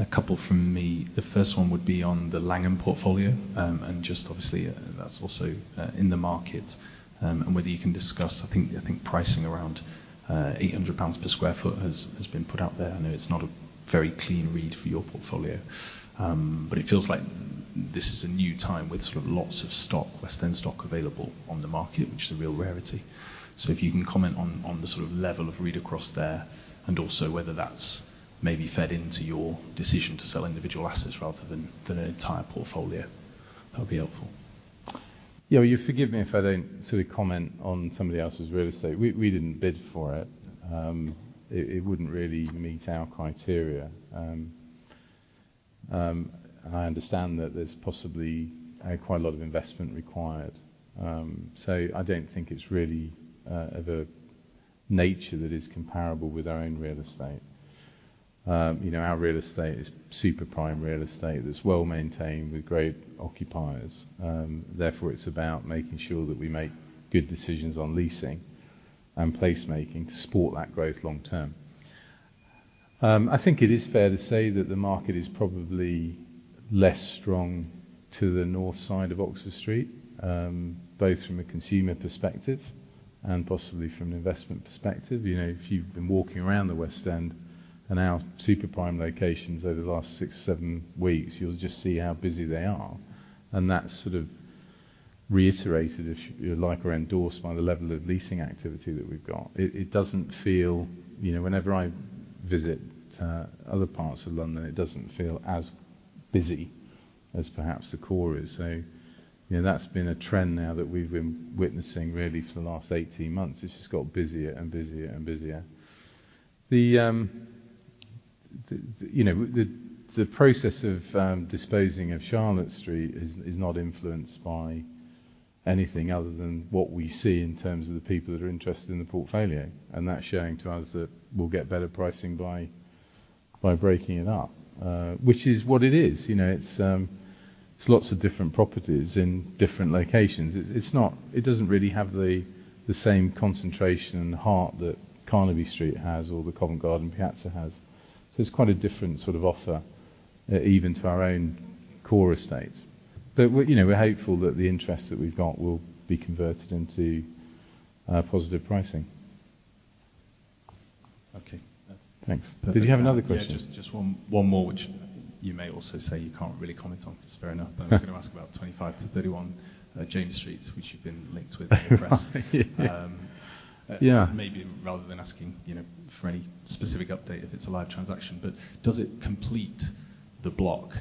A couple from me. The first one would be on the Langham portfolio, and just obviously, that's also in the market. And whether you can discuss, I think, I think pricing around 800 pounds per sq ft has been put out there. I know it's not a very clean read for your portfolio, but it feels like this is a new time with sort of lots of stock, West End stock available on the market, which is a real rarity. So if you can comment on the sort of level of read-across there, and also whether that's maybe fed into your decision to sell individual assets rather than an entire portfolio, that would be helpful. Yeah, well, you forgive me if I don't sort of comment on somebody else's real estate. We didn't bid for it. It wouldn't really meet our criteria. And I understand that there's possibly quite a lot of investment required. So I don't think it's really of a nature that is comparable with our own real estate. You know, our real estate is super prime real estate that's well-maintained with great occupiers. Therefore, it's about making sure that we make good decisions on leasing and placemaking to support that growth long term. I think it is fair to say that the market is probably less strong to the north side of Oxford Street, both from a consumer perspective and possibly from an investment perspective. You know, if you've been walking around the West End and our super prime locations over the last six-seven weeks, you'll just see how busy they are, and that's sort of reiterated, if you like, or endorsed by the level of leasing activity that we've got. It doesn't feel. You know, whenever I visit other parts of London, it doesn't feel as busy as perhaps the core is. So, you know, that's been a trend now that we've been witnessing really for the last 18 months. It's just got busier and busier and busier. The process of disposing of Charlotte Street is not influenced by anything other than what we see in terms of the people that are interested in the portfolio, and that's showing to us that we'll get better pricing by breaking it up. Which is what it is. You know, it's lots of different properties in different locations. It's not. It doesn't really have the same concentration and heart that Carnaby Street has or the Covent Garden Piazza has. So it's quite a different sort of offer, even to our own core estate. But we're, you know, we're hopeful that the interest that we've got will be converted into positive pricing. Okay. Thanks. Did you have another question? Yeah, just, just one, one more, which you may also say you can't really comment on. It's fair enough. But I was gonna ask about 25-31 James Street, which you've been linked with in the press. Yeah. Maybe rather than asking, you know, for any specific update, if it's a live transaction, but does it complete the block?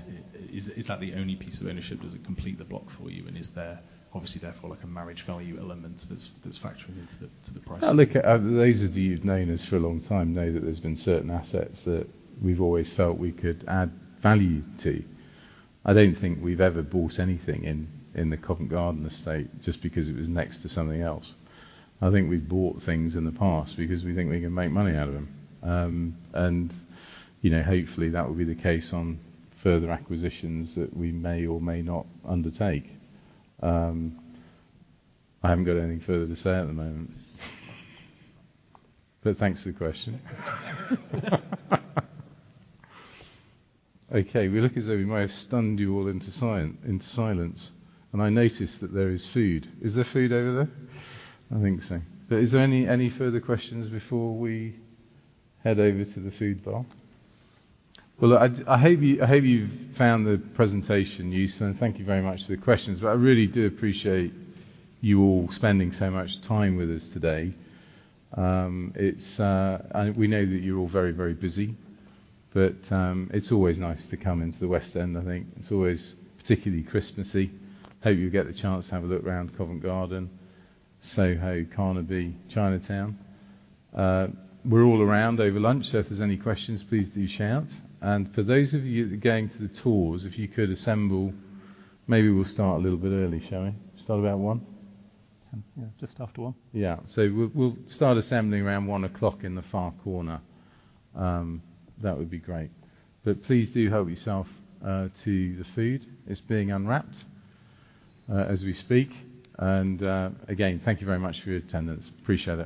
Is that the only piece of ownership, does it complete the block for you? And is there obviously therefore, like a marriage value element that's factoring into the to the pricing? Well, look, those of you who've known us for a long time know that there's been certain assets that we've always felt we could add value to. I don't think we've ever bought anything in the Covent Garden estate just because it was next to something else. I think we've bought things in the past because we think we can make money out of them. And, you know, hopefully, that will be the case on further acquisitions that we may or may not undertake. I haven't got anything further to say at the moment. But thanks for the question. Okay, we look as though we may have stunned you all into silence, and I notice that there is food. Is there food over there? I think so. But is there any further questions before we head over to the food bar? Well, I hope you've found the presentation useful, and thank you very much for the questions. But I really do appreciate you all spending so much time with us today. We know that you're all very, very busy, but it's always nice to come into the West End, I think. It's always particularly Christmassy. Hope you get the chance to have a look around Covent Garden, Soho, Carnaby, Chinatown. We're all around over lunch, so if there's any questions, please do shout. And for those of you that are going to the tours, if you could assemble, maybe we'll start a little bit early, shall we? Start about one? Yeah, just after one. Yeah. So we'll, we'll start assembling around one o'clock in the far corner. That would be great. But please do help yourself to the food. It's being unwrapped as we speak. And again, thank you very much for your attendance. Appreciate it.